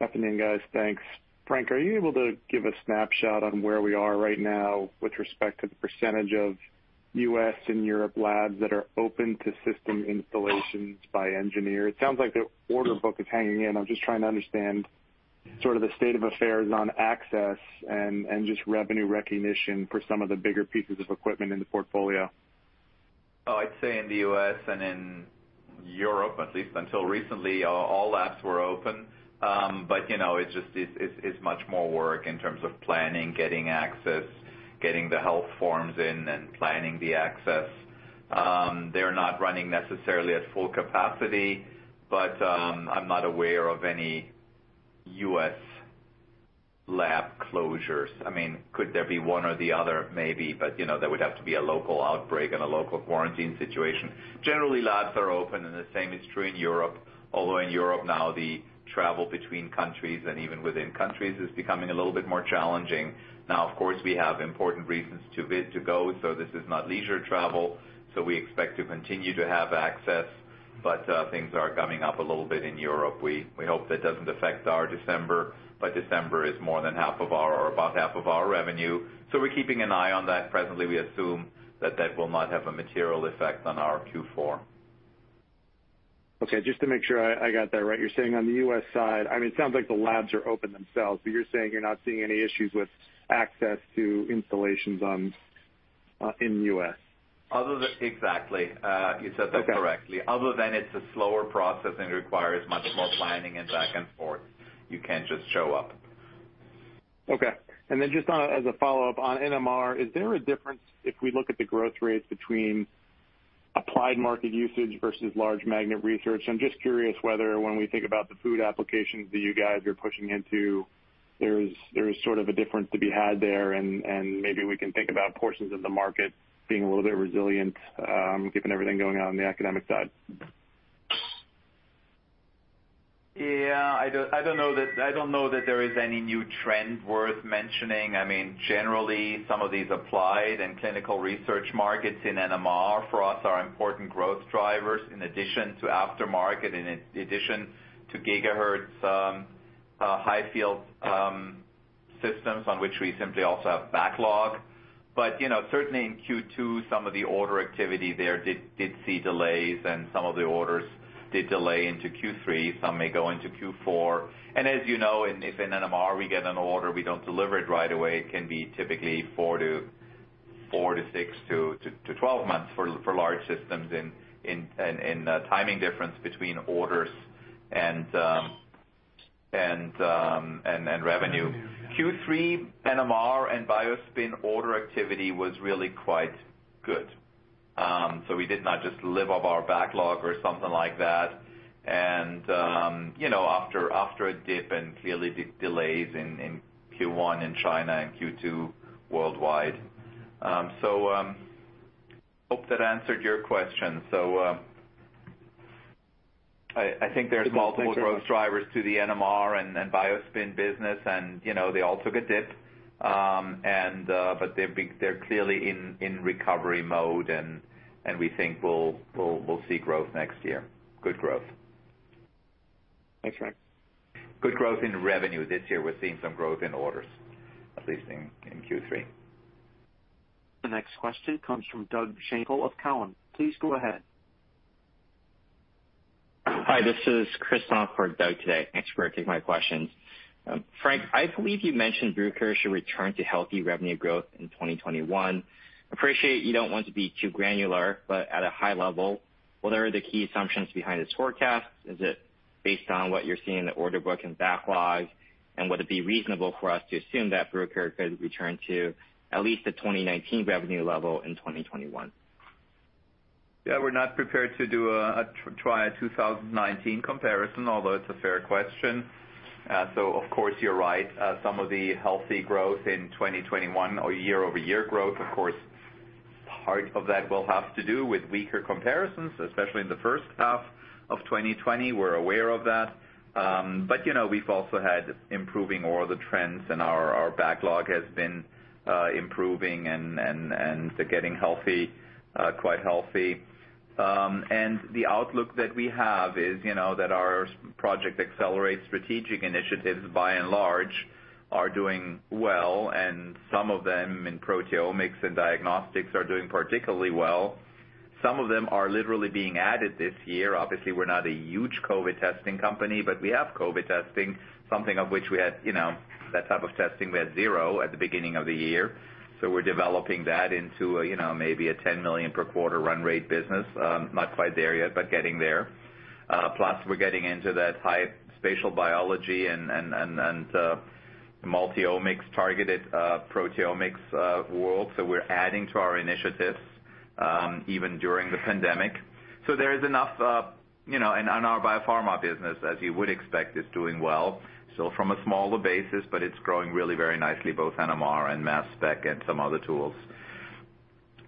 Good afternoon, guys. Thanks. Frank, are you able to give a snapshot on where we are right now with respect to the percentage of U.S. and Europe labs that are open to system installations by engineer? It sounds like the order book is hanging in. I'm just trying to understand sort of the state of affairs on access and just revenue recognition for some of the bigger pieces of equipment in the portfolio. Oh, I'd say in the U.S. and in Europe, at least until recently, all labs were open, but it just is much more work in terms of planning, getting access, getting the health forms in, and planning the access. They're not running necessarily at full capacity, but I'm not aware of any U.S. lab closures. I mean, could there be one or the other? Maybe, but that would have to be a local outbreak and a local quarantine situation. Generally, labs are open, and the same is true in Europe, although in Europe now the travel between countries and even within countries is becoming a little bit more challenging. Now, of course, we have important reasons to go, so this is not leisure travel. So we expect to continue to have access, but things are coming up a little bit in Europe. We hope that doesn't affect our December, but December is more than half of our or about half of our revenue. So we're keeping an eye on that. Presently, we assume that that will not have a material effect on our Q4. Okay. Just to make sure I got that right, you're saying on the U.S. side, I mean, it sounds like the labs are open themselves, but you're saying you're not seeing any issues with access to installations in the U.S.? Exactly. You said that correctly. Other than it's a slower process and requires much more planning and back and forth. You can't just show up. Okay, and then just as a follow-up on NMR, is there a difference if we look at the growth rates between applied market usage versus large magnet research? I'm just curious whether when we think about the food applications that you guys are pushing into, there's sort of a difference to be had there, and maybe we can think about portions of the market being a little bit resilient given everything going on in the academic side. Yeah. I don't know that there is any new trend worth mentioning. I mean, generally, some of these applied and clinical research markets in NMR for us are important growth drivers in addition to aftermarket, in addition to gigahertz high-field systems on which we simply also have backlog. But certainly in Q2, some of the order activity there did see delays, and some of the orders did delay into Q3. Some may go into Q4. And as you know, if in NMR we get an order, we don't deliver it right away. It can be typically four to six to 12 months for large systems in the timing difference between orders and revenue. Q3 NMR and BioSpin order activity was really quite good. So we did not just live off our backlog or something like that. And after a dip and clearly delays in Q1 in China and Q2 worldwide. So I hope that answered your question. So I think there's multiple growth drivers to the NMR and BioSpin business, and they all took a dip, but they're clearly in recovery mode, and we think we'll see growth next year. Good growth. Thanks, Frank. Good growth in revenue. This year, we're seeing some growth in orders, at least in Q3. The next question comes from Doug Schenkel of Cowen. Please go ahead. Hi. This is Chris Lin for Doug today. Thanks for taking my questions. Frank, I believe you mentioned Bruker should return to healthy revenue growth in 2021. Appreciate you don't want to be too granular, but at a high level, what are the key assumptions behind this forecast? Is it based on what you're seeing in the order book and backlog, and would it be reasonable for us to assume that Bruker could return to at least the 2019 revenue level in 2021? Yeah. We're not prepared to try a 2019 comparison, although it's a fair question, so of course, you're right. Some of the healthy growth in 2021 or year-over-year growth, of course, part of that will have to do with weaker comparisons, especially in the first half of 2020, but we've also had improving order trends, and our backlog has been improving and getting quite healthy, and the outlook that we have is that our project accelerates strategic initiatives by and large are doing well, and some of them in proteomics and diagnostics are doing particularly well. Some of them are literally being added this year. Obviously, we're not a huge COVID testing company, but we have COVID testing, something of which we had that type of testing we had zero at the beginning of the year. So we're developing that into maybe a $10 million per quarter run rate business. Not quite there yet, but getting there. Plus, we're getting into that high spatial biology and multi-omics targeted proteomics world. So we're adding to our initiatives even during the pandemic. So there is enough, and our biopharma business, as you would expect, is doing well. So from a smaller basis, but it's growing really very nicely, both NMR and mass spec and some other tools.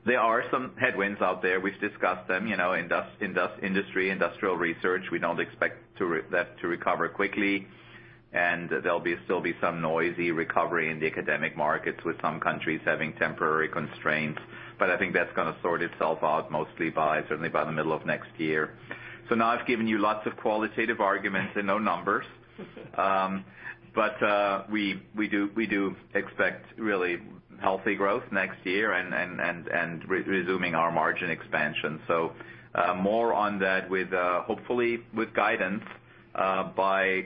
There are some headwinds out there. We've discussed them in industry, industrial research. We don't expect that to recover quickly, and there'll still be some noisy recovery in the academic markets with some countries having temporary constraints. But I think that's going to sort itself out mostly certainly by the middle of next year. Now I've given you lots of qualitative arguments and no numbers, but we do expect really healthy growth next year and resuming our margin expansion. More on that, hopefully with guidance by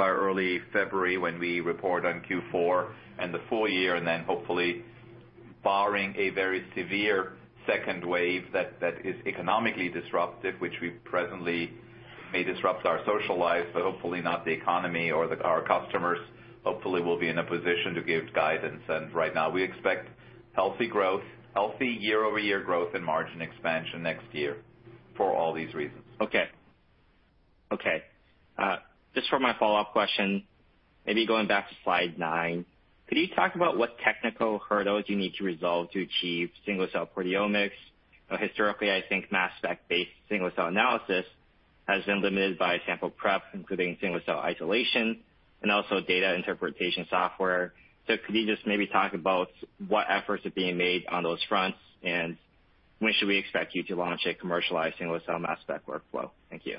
early February when we report on Q4 and the full year, and then hopefully barring a very severe second wave that is economically disruptive, which presently may disrupt our social lives, but hopefully not the economy or our customers. Hopefully, we'll be in a position to give guidance. Right now, we expect healthy growth, healthy year-over-year growth and margin expansion next year for all these reasons. Okay. Okay. Just for my follow-up question, maybe going back to slide nine, could you talk about what technical hurdles you need to resolve to achieve single-cell proteomics? Historically, I think mass spec-based single-cell analysis has been limited by sample prep, including single-cell isolation and also data interpretation software. So could you just maybe talk about what efforts are being made on those fronts, and when should we expect you to launch a commercialized single-cell mass spec workflow? Thank you.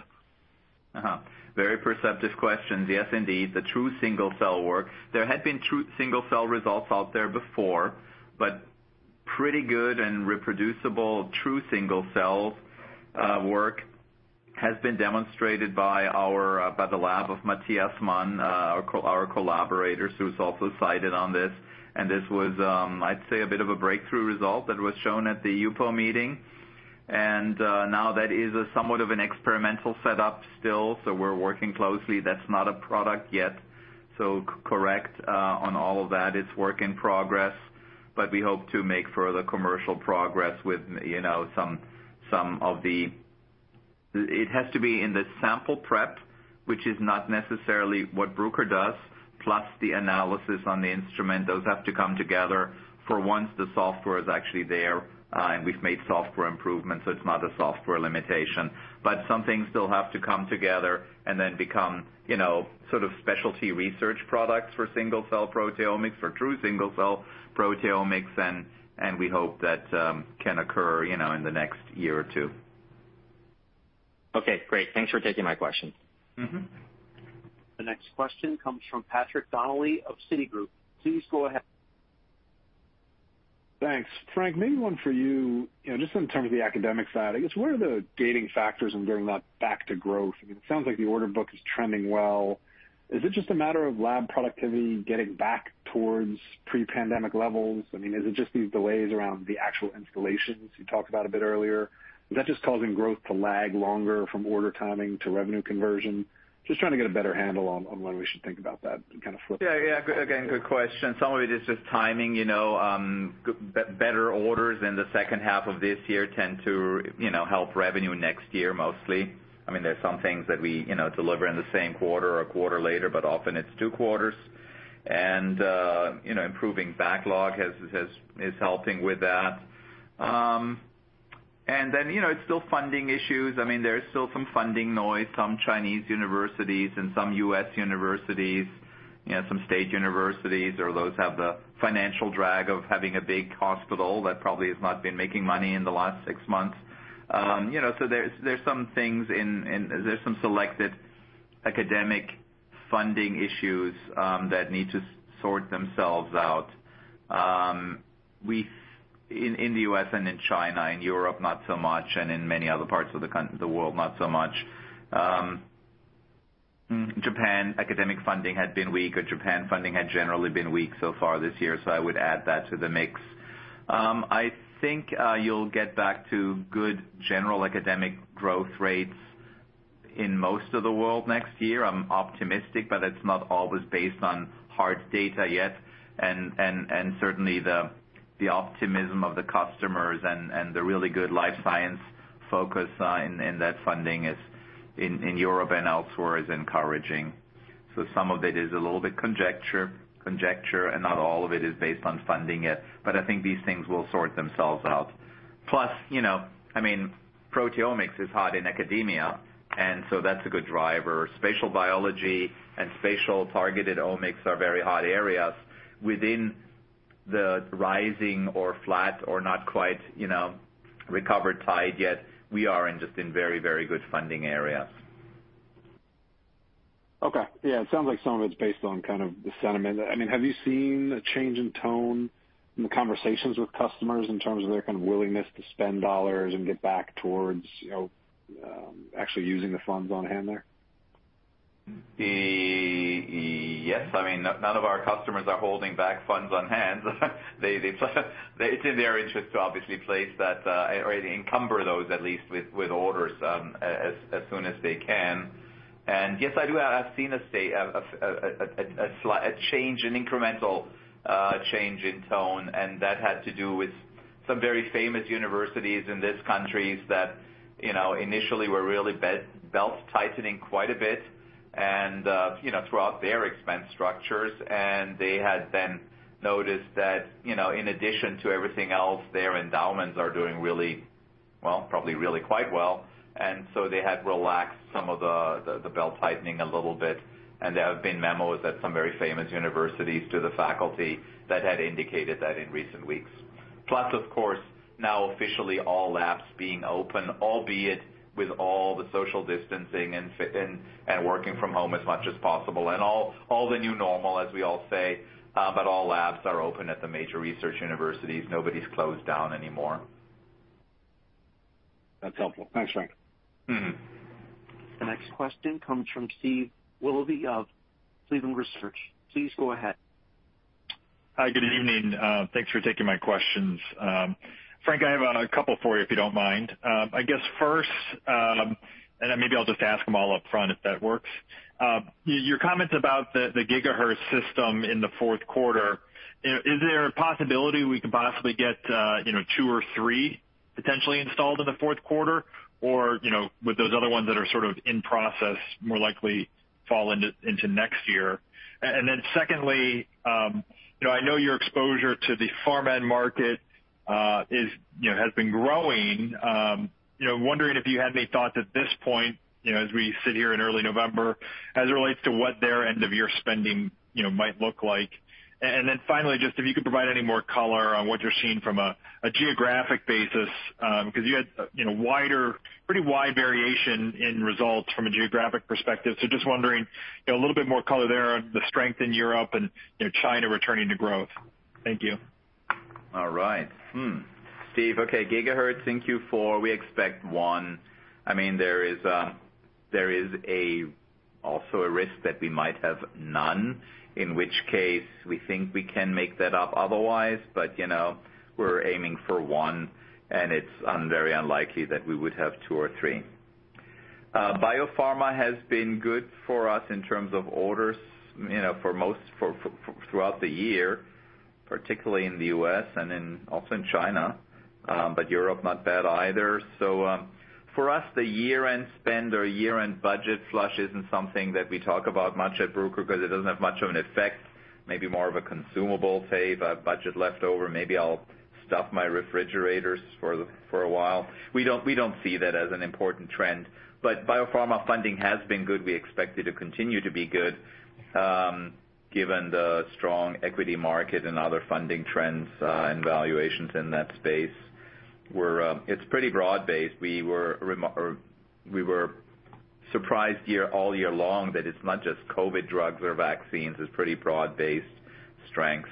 Very perceptive questions. Yes, indeed. The true single-cell work. There had been true single-cell results out there before, but pretty good and reproducible true single-cell work has been demonstrated by the lab of Matthias Mann, our collaborator, who's also cited on this. And this was, I'd say, a bit of a breakthrough result that was shown at the HUPO meeting. And now that is somewhat of an experimental setup still, so we're working closely. That's not a product yet. So correct on all of that. It's work in progress, but we hope to make further commercial progress with some of it. It has to be in the sample prep, which is not necessarily what Bruker does, plus the analysis on the instrument. Those have to come together for once the software is actually there, and we've made software improvements, so it's not a software limitation. But some things still have to come together and then become sort of specialty research products for single-cell proteomics, for true single-cell proteomics, and we hope that can occur in the next year or two. Okay. Great. Thanks for taking my question. The next question comes from Patrick Donnelly of Citigroup. Please go ahead. Thanks. Frank, maybe one for you, just in terms of the academic side. I guess, what are the gating factors in getting that back to growth? I mean, it sounds like the order book is trending well. Is it just a matter of lab productivity getting back towards pre-pandemic levels? I mean, is it just these delays around the actual installations you talked about a bit earlier? Is that just causing growth to lag longer from order timing to revenue conversion? Just trying to get a better handle on when we should think about that and kind of flip it. Yeah. Yeah. Again, good question. Some of it is just timing. Better orders in the second half of this year tend to help revenue next year mostly. I mean, there are some things that we deliver in the same quarter or a quarter later, but often it's two quarters, and improving backlog is helping with that, and then it's still funding issues. I mean, there's still some funding noise, some Chinese universities and some U.S. universities, some state universities, or those have the financial drag of having a big hospital that probably has not been making money in the last six months. So there's some things in there, some selected academic funding issues that need to sort themselves out in the U.S. and in China. In Europe, not so much, and in many other parts of the world, not so much. Japan academic funding had been weak, or Japan funding had generally been weak so far this year, so I would add that to the mix. I think you'll get back to good general academic growth rates in most of the world next year. I'm optimistic, but it's not always based on hard data yet, and certainly, the optimism of the customers and the really good life science focus in that funding in Europe and elsewhere is encouraging, so some of it is a little bit conjecture, and not all of it is based on funding yet, but I think these things will sort themselves out. Plus, I mean, proteomics is hot in academia, and so that's a good driver. Spatial biology and spatial targeted omics are very hot areas. Within the rising or flat or not quite recovered tide yet, we are just in very, very good funding areas. Okay. Yeah. It sounds like some of it's based on kind of the sentiment. I mean, have you seen a change in tone in the conversations with customers in terms of their kind of willingness to spend dollars and get back towards actually using the funds on hand there? Yes. I mean, none of our customers are holding back funds on hand. It's in their interest to obviously place that or encumber those at least with orders as soon as they can. And yes, I do have seen a change, an incremental change in tone, and that had to do with some very famous universities in these countries that initially were really belt tightening quite a bit throughout their expense structures. And they had then noticed that in addition to everything else, their endowments are doing really well, probably really quite well. And so they had relaxed some of the belt tightening a little bit. And there have been memos at some very famous universities to the faculty that had indicated that in recent weeks. Plus, of course, now officially all labs being open, albeit with all the social distancing and working from home as much as possible and all the new normal, as we all say, but all labs are open at the major research universities. Nobody's closed down anymore. That's helpful. Thanks, Frank. The next question comes from Steve Willoughby of Cleveland Research. Please go ahead. Hi. Good evening. Thanks for taking my questions. Frank, I have a couple for you if you don't mind. I guess first, and then maybe I'll just ask them all upfront if that works. Your comments about the gigahertz system in the fourth quarter, is there a possibility we could possibly get two or three potentially installed in the fourth quarter, or would those other ones that are sort of in process more likely fall into next year? And then secondly, I know your exposure to the pharma market has been growing. Wondering if you had any thoughts at this point as we sit here in early November as it relates to what their end-of-year spending might look like. And then finally, just if you could provide any more color on what you're seeing from a geographic basis because you had pretty wide variation in results from a geographic perspective. Just wondering a little bit more color there on the strength in Europe and China returning to growth? Thank you. All right. Steve, okay. Gigahertz, thank you. We expect one. I mean, there is also a risk that we might have none, in which case we think we can make that up otherwise, but we're aiming for one, and it's very unlikely that we would have two or three. Biopharma has been good for us in terms of orders for most throughout the year, particularly in the U.S. and also in China, but Europe not bad either. So for us, the year-end spend or year-end budget flush isn't something that we talk about much at Bruker because it doesn't have much of an effect, maybe more of a consumables save, a budget leftover. Maybe I'll stuff my refrigerators for a while. We don't see that as an important trend. But biopharma funding has been good. We expect it to continue to be good given the strong equity market and other funding trends and valuations in that space. It's pretty broad-based. We were surprised all year long that it's not just COVID drugs or vaccines. It's pretty broad-based strength,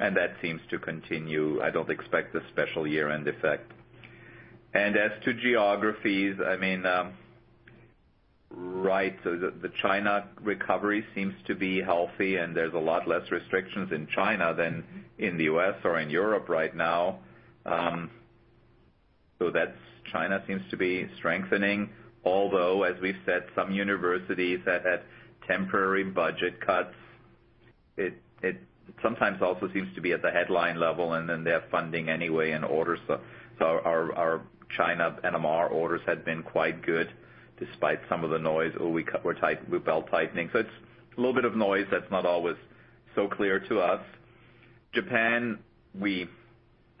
and that seems to continue. I don't expect a special year-end effect. And as to geographies, I mean, right, the China recovery seems to be healthy, and there's a lot less restrictions in China than in the U.S. or in Europe right now. So China seems to be strengthening, although, as we've said, some universities that had temporary budget cuts, it sometimes also seems to be at the headline level, and then they have funding anyway in orders. So our China NMR orders had been quite good despite some of the noise. We're belt tightening. So it's a little bit of noise that's not always so clear to us. Japan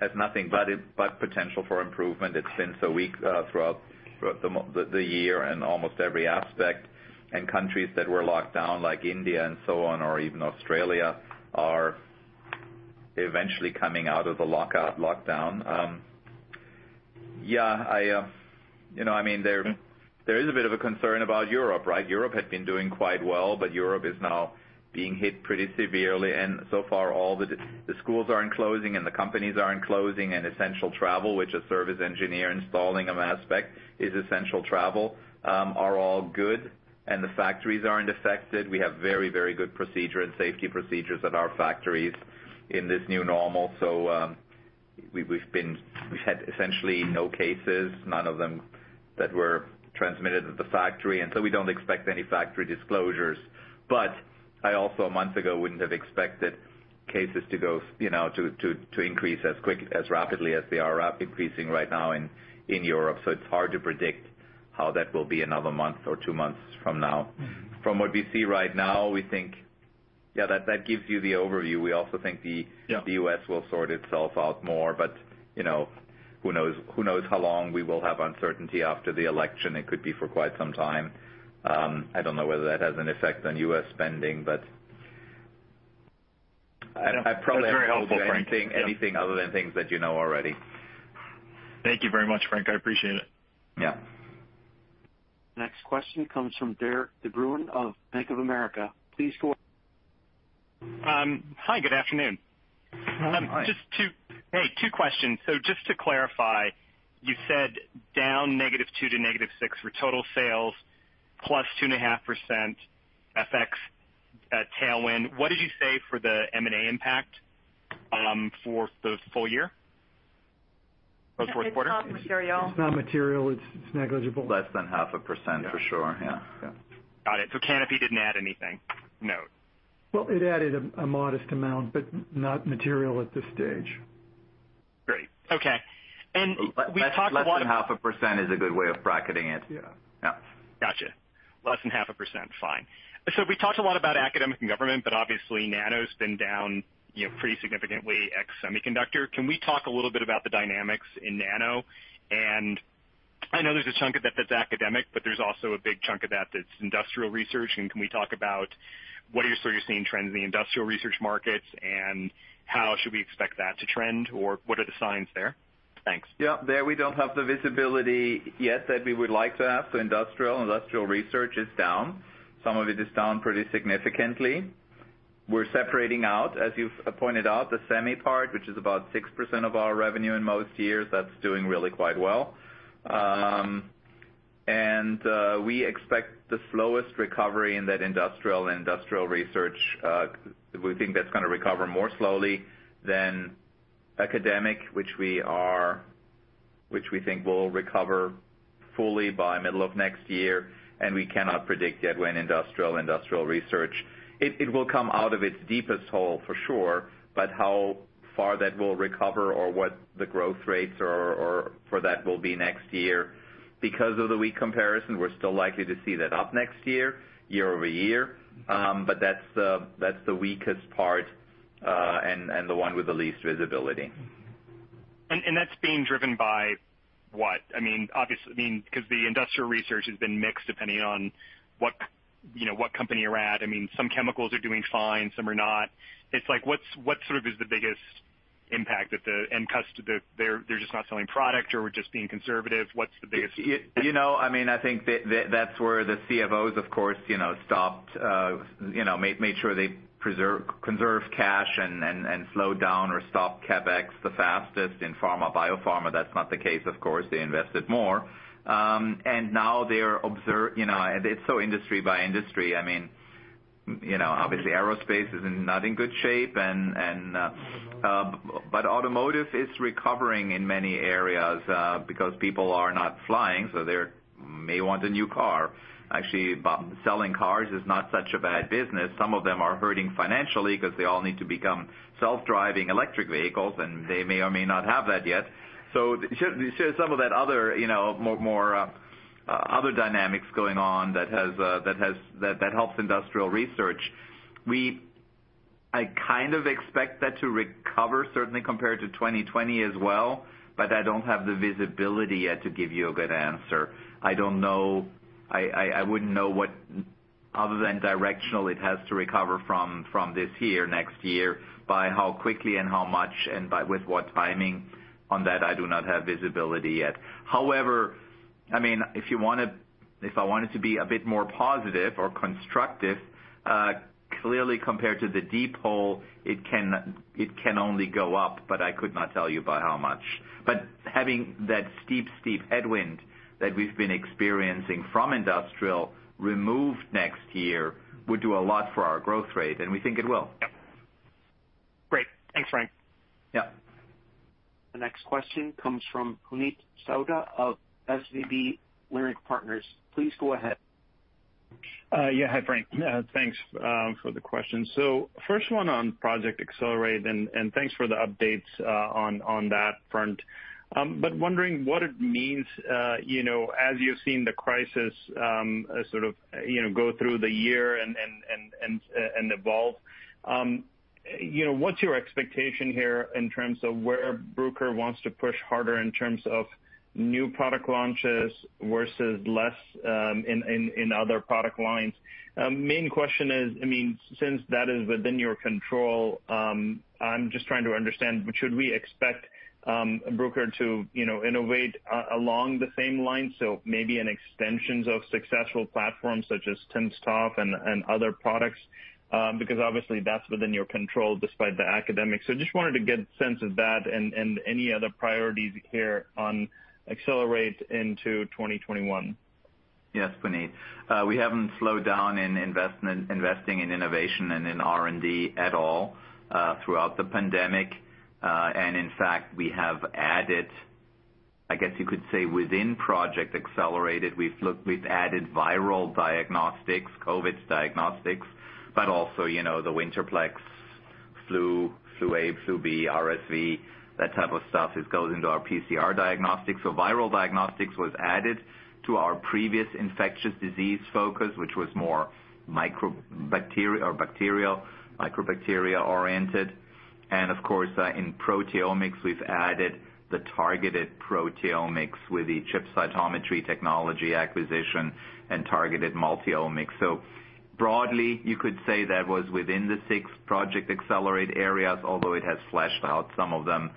has nothing but potential for improvement. It's been so weak throughout the year in almost every aspect. And countries that were locked down like India and so on, or even Australia, are eventually coming out of the lockdown. Yeah. I mean, there is a bit of a concern about Europe, right? Europe had been doing quite well, but Europe is now being hit pretty severely. And so far, all the schools are closing, and the companies are closing, and essential travel, which a service engineer installing a mass spec is essential travel, are all good, and the factories aren't affected. We have very, very good procedures and safety procedures at our factories in this new normal. So we've had essentially no cases, none of them that were transmitted at the factory, and so we don't expect any factory disclosures. But I also, a month ago, wouldn't have expected cases to go to increase as quick, as rapidly as they are increasing right now in Europe. So it's hard to predict how that will be another month or two months from now. From what we see right now, we think, yeah, that gives you the overview. We also think the U.S. will sort itself out more, but who knows how long we will have uncertainty after the election. It could be for quite some time. I don't know whether that has an effect on U.S. spending, but I probably haven't seen anything other than things that you know already. Thank you very much, Frank. I appreciate it. Yeah. Next question comes from Derik De Bruin of Bank of America. Please go ahead. Hi. Good afternoon. Hi. Just to say, two questions. So just to clarify, you said down -2% to -6% for total sales, +2.5% FX tailwind. What did you say for the M&A impact for the full year, for the fourth quarter? It's not material. It's not material. It's negligible. Less than 0.5% for sure. Yeah. Yeah. Got it. So Canopy didn't add anything. Note. It added a modest amount, but not material at this stage. Great. Okay, and we talked a lot. Less than 0.5% is a good way of bracketing it. Yeah. Yeah. Gotcha. Less than 0.5%. Fine. So we talked a lot about academic and government, but obviously, nano's been down pretty significantly ex-semiconductor. Can we talk a little bit about the dynamics in nano? And I know there's a chunk of that that's academic, but there's also a big chunk of that that's industrial research. And can we talk about what are you sort of seeing trends in the industrial research markets, and how should we expect that to trend, or what are the signs there? Thanks. Yeah. There we don't have the visibility yet that we would like to have. So industrial, industrial research is down. Some of it is down pretty significantly. We're separating out, as you've pointed out, the semi part, which is about 6% of our revenue in most years. That's doing really quite well. And we expect the slowest recovery in that industrial and industrial research. We think that's going to recover more slowly than academic, which we think will recover fully by middle of next year. And we cannot predict yet when industrial, industrial research it will come out of its deepest hole for sure, but how far that will recover or what the growth rates for that will be next year. Because of the weak comparison, we're still likely to see that up next year, year-over-year, but that's the weakest part and the one with the least visibility. That's being driven by what? I mean, obviously, I mean, because the industrial research has been mixed depending on what company you're at. I mean, some chemicals are doing fine. Some are not. It's like what sort of is the biggest impact at the end customer? They're just not selling product or just being conservative? What's the biggest? I mean, I think that's where the CFOs, of course, stopped, made sure they conserve cash and slowed down or stopped CapEx the fastest in pharma. Biopharma, that's not the case, of course. They invested more, and now they're observing, and it's so industry by industry. I mean, obviously, aerospace is not in good shape, but automotive is recovering in many areas because people are not flying, so they may want a new car. Actually, selling cars is not such a bad business. Some of them are hurting financially because they all need to become self-driving electric vehicles, and they may or may not have that yet, so some of that other dynamics going on that helps industrial research. I kind of expect that to recover certainly compared to 2020 as well, but I don't have the visibility yet to give you a good answer. I don't know. I wouldn't know what, other than directional, it has to recover from this year, next year, by how quickly and how much and with what timing. On that, I do not have visibility yet. However, I mean, if I wanted to be a bit more positive or constructive, clearly compared to the deep hole, it can only go up, but I could not tell you by how much. But having that steep, steep headwind that we've been experiencing from industrial removed next year would do a lot for our growth rate, and we think it will. Yeah. Great. Thanks, Frank. Yeah. The next question comes from Puneet Souda of SVB Leerink. Please go ahead. Yeah. Hi, Frank. Thanks for the question. So first one on Project Accelerate, and thanks for the updates on that front. But wondering what it means as you've seen the crisis sort of go through the year and evolve. What's your expectation here in terms of where Bruker wants to push harder in terms of new product launches versus less in other product lines? Main question is, I mean, since that is within your control, I'm just trying to understand, should we expect Bruker to innovate along the same lines? So maybe an extension of successful platforms such as timsTOF and other products because obviously that's within your control despite the academic. So just wanted to get a sense of that and any other priorities here on Accelerate into 2021. Yes, Puneet. We haven't slowed down in investing in innovation and in R&D at all throughout the pandemic. In fact, we have added, I guess you could say within Project Accelerate, we've added viral diagnostics, COVID diagnostics, but also the Winterplex, Flu A, Flu B, RSV, that type of stuff. It goes into our PCR diagnostics. Viral diagnostics was added to our previous infectious disease focus, which was more microbial, bacteria-oriented. Of course, in proteomics, we've added the targeted proteomics with the ChipCytometry technology acquisition and targeted multi-omics. Broadly, you could say that was within the six Project Accelerate areas, although it has fleshed out some of them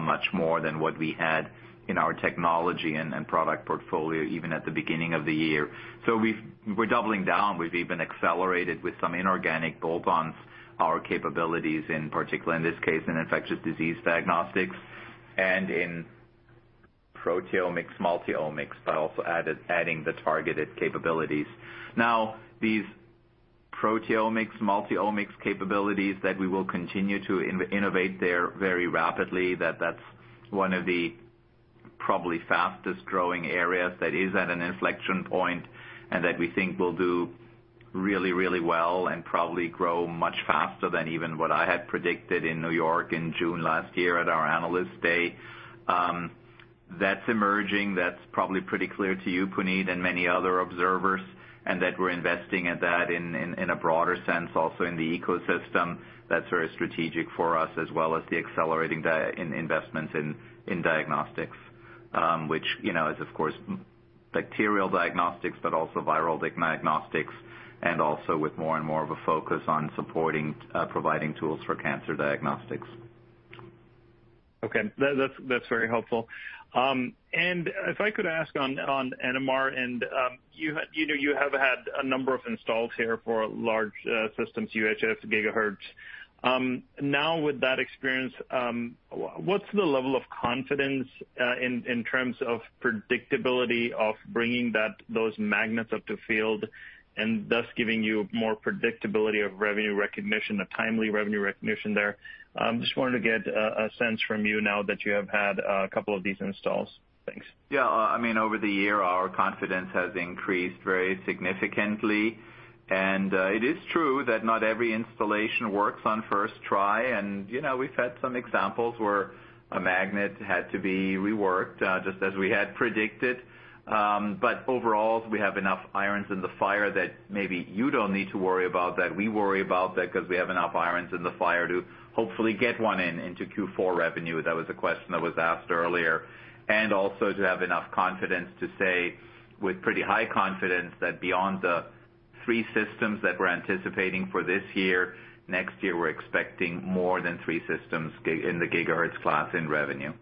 much more than what we had in our technology and product portfolio even at the beginning of the year. We're doubling down. We've even accelerated with some inorganic bolt-ons, our capabilities in particular, in this case, in infectious disease diagnostics and in proteomics, multi-omics, but also adding the targeted capabilities. Now, these proteomics, multi-omics capabilities that we will continue to innovate there very rapidly, that that's one of the probably fastest growing areas that is at an inflection point and that we think will do really, really well and probably grow much faster than even what I had predicted in New York in June last year at our analyst day. That's emerging. That's probably pretty clear to you, Puneet, and many other observers, and that we're investing in that in a broader sense, also in the ecosystem. That's very strategic for us as well as the accelerating investments in diagnostics, which is, of course, bacterial diagnostics, but also viral diagnostics, and also with more and more of a focus on supporting providing tools for cancer diagnostics. Okay. That's very helpful, and if I could ask on NMR, and you have had a number of installs here for large systems, UHF, gigahertz. Now, with that experience, what's the level of confidence in terms of predictability of bringing those magnets up to field and thus giving you more predictability of revenue recognition, a timely revenue recognition there? Just wanted to get a sense from you now that you have had a couple of these installs. Thanks. Yeah. I mean, over the year, our confidence has increased very significantly. And it is true that not every installation works on first try. And we've had some examples where a magnet had to be reworked just as we had predicted. But overall, we have enough irons in the fire that maybe you don't need to worry about that. We worry about that because we have enough irons in the fire to hopefully get one into Q4 revenue. That was a question that was asked earlier. And also to have enough confidence to say with pretty high confidence that beyond the three systems that we're anticipating for this year, next year we're expecting more than three systems in the gigahertz class in revenue.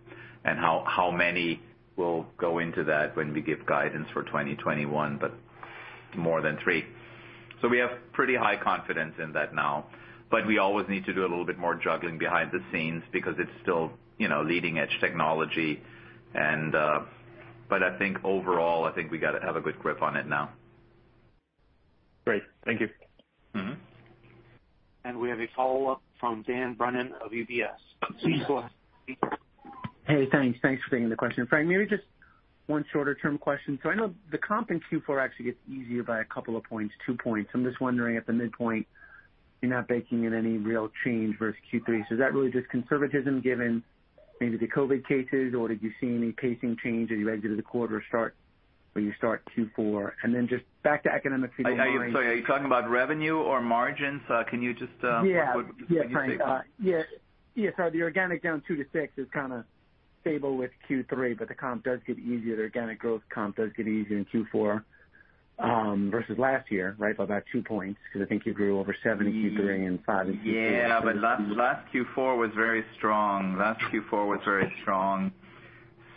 And how many will go into that when we give guidance for 2021, but more than three. So we have pretty high confidence in that now. But we always need to do a little bit more juggling behind the scenes because it's still leading-edge technology. But I think overall, I think we got to have a good grip on it now. Great. Thank you. We have a follow-up from Dan Brennan of UBS. Please go ahead. Hey, thanks. Thanks for taking the question. Frank, maybe just one shorter-term question. So I know the comp in Q4 actually gets easier by a couple of points, two points. I'm just wondering at the midpoint, you're not baking in any real change versus Q3. So is that really just conservatism given maybe the COVID cases, or did you see any pacing change as you exited the quarter or start when you start Q4? And then just back to academics. I'm sorry. Are you talking about revenue or margins? Can you just put? Yeah. Frank, yeah. Yes. The organic down two to six is kind of stable with Q3, but the comp does get easier. The organic growth comp does get easier in Q4 versus last year, right, by about two points because I think you grew over seven in Q3 and five in Q4. Yeah, but last Q4 was very strong. Last Q4 was very strong,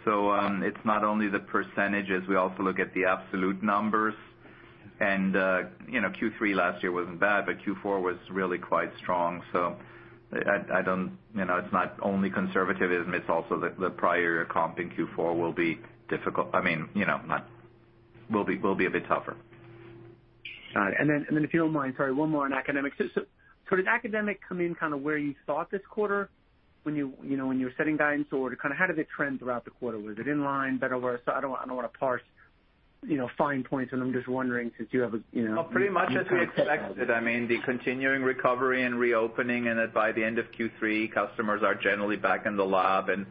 so it's not only the percentages. We also look at the absolute numbers, and Q3 last year wasn't bad, but Q4 was really quite strong, so I don't know. It's not only conservatism. It's also that the prior comp in Q4 will be difficult. I mean, will be a bit tougher. Got it. And then if you don't mind, sorry, one more on academics. So did academic come in kind of where you thought this quarter when you were setting guidance, or kind of how did it trend throughout the quarter? Was it in line, better or worse? So I don't want to parse fine points, and I'm just wondering since you have a. Pretty much as we expected. I mean, the continuing recovery and reopening, and that by the end of Q3, customers are generally back in the lab and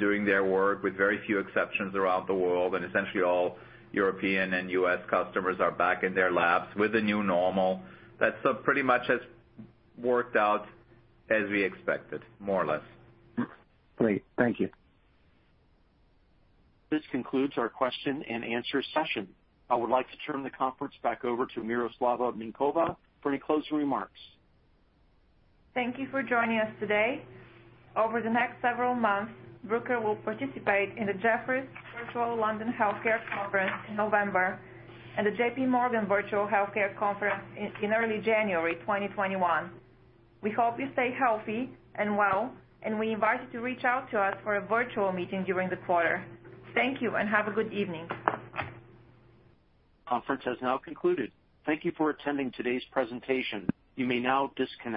doing their work with very few exceptions around the world. Essentially, all European and U.S. customers are back in their labs with a new normal. That's pretty much has worked out as we expected, more or less. Great. Thank you. This concludes our question and answer session. I would like to turn the conference back over to Miroslava Minkova for any closing remarks. Thank you for joining us today. Over the next several months, Bruker will participate in the Jefferies Virtual London Healthcare Conference in November and the JP Morgan Virtual Healthcare Conference in early January 2021. We hope you stay healthy and well, and we invite you to reach out to us for a virtual meeting during the quarter. Thank you and have a good evening. Conference has now concluded. Thank you for attending today's presentation. You may now disconnect.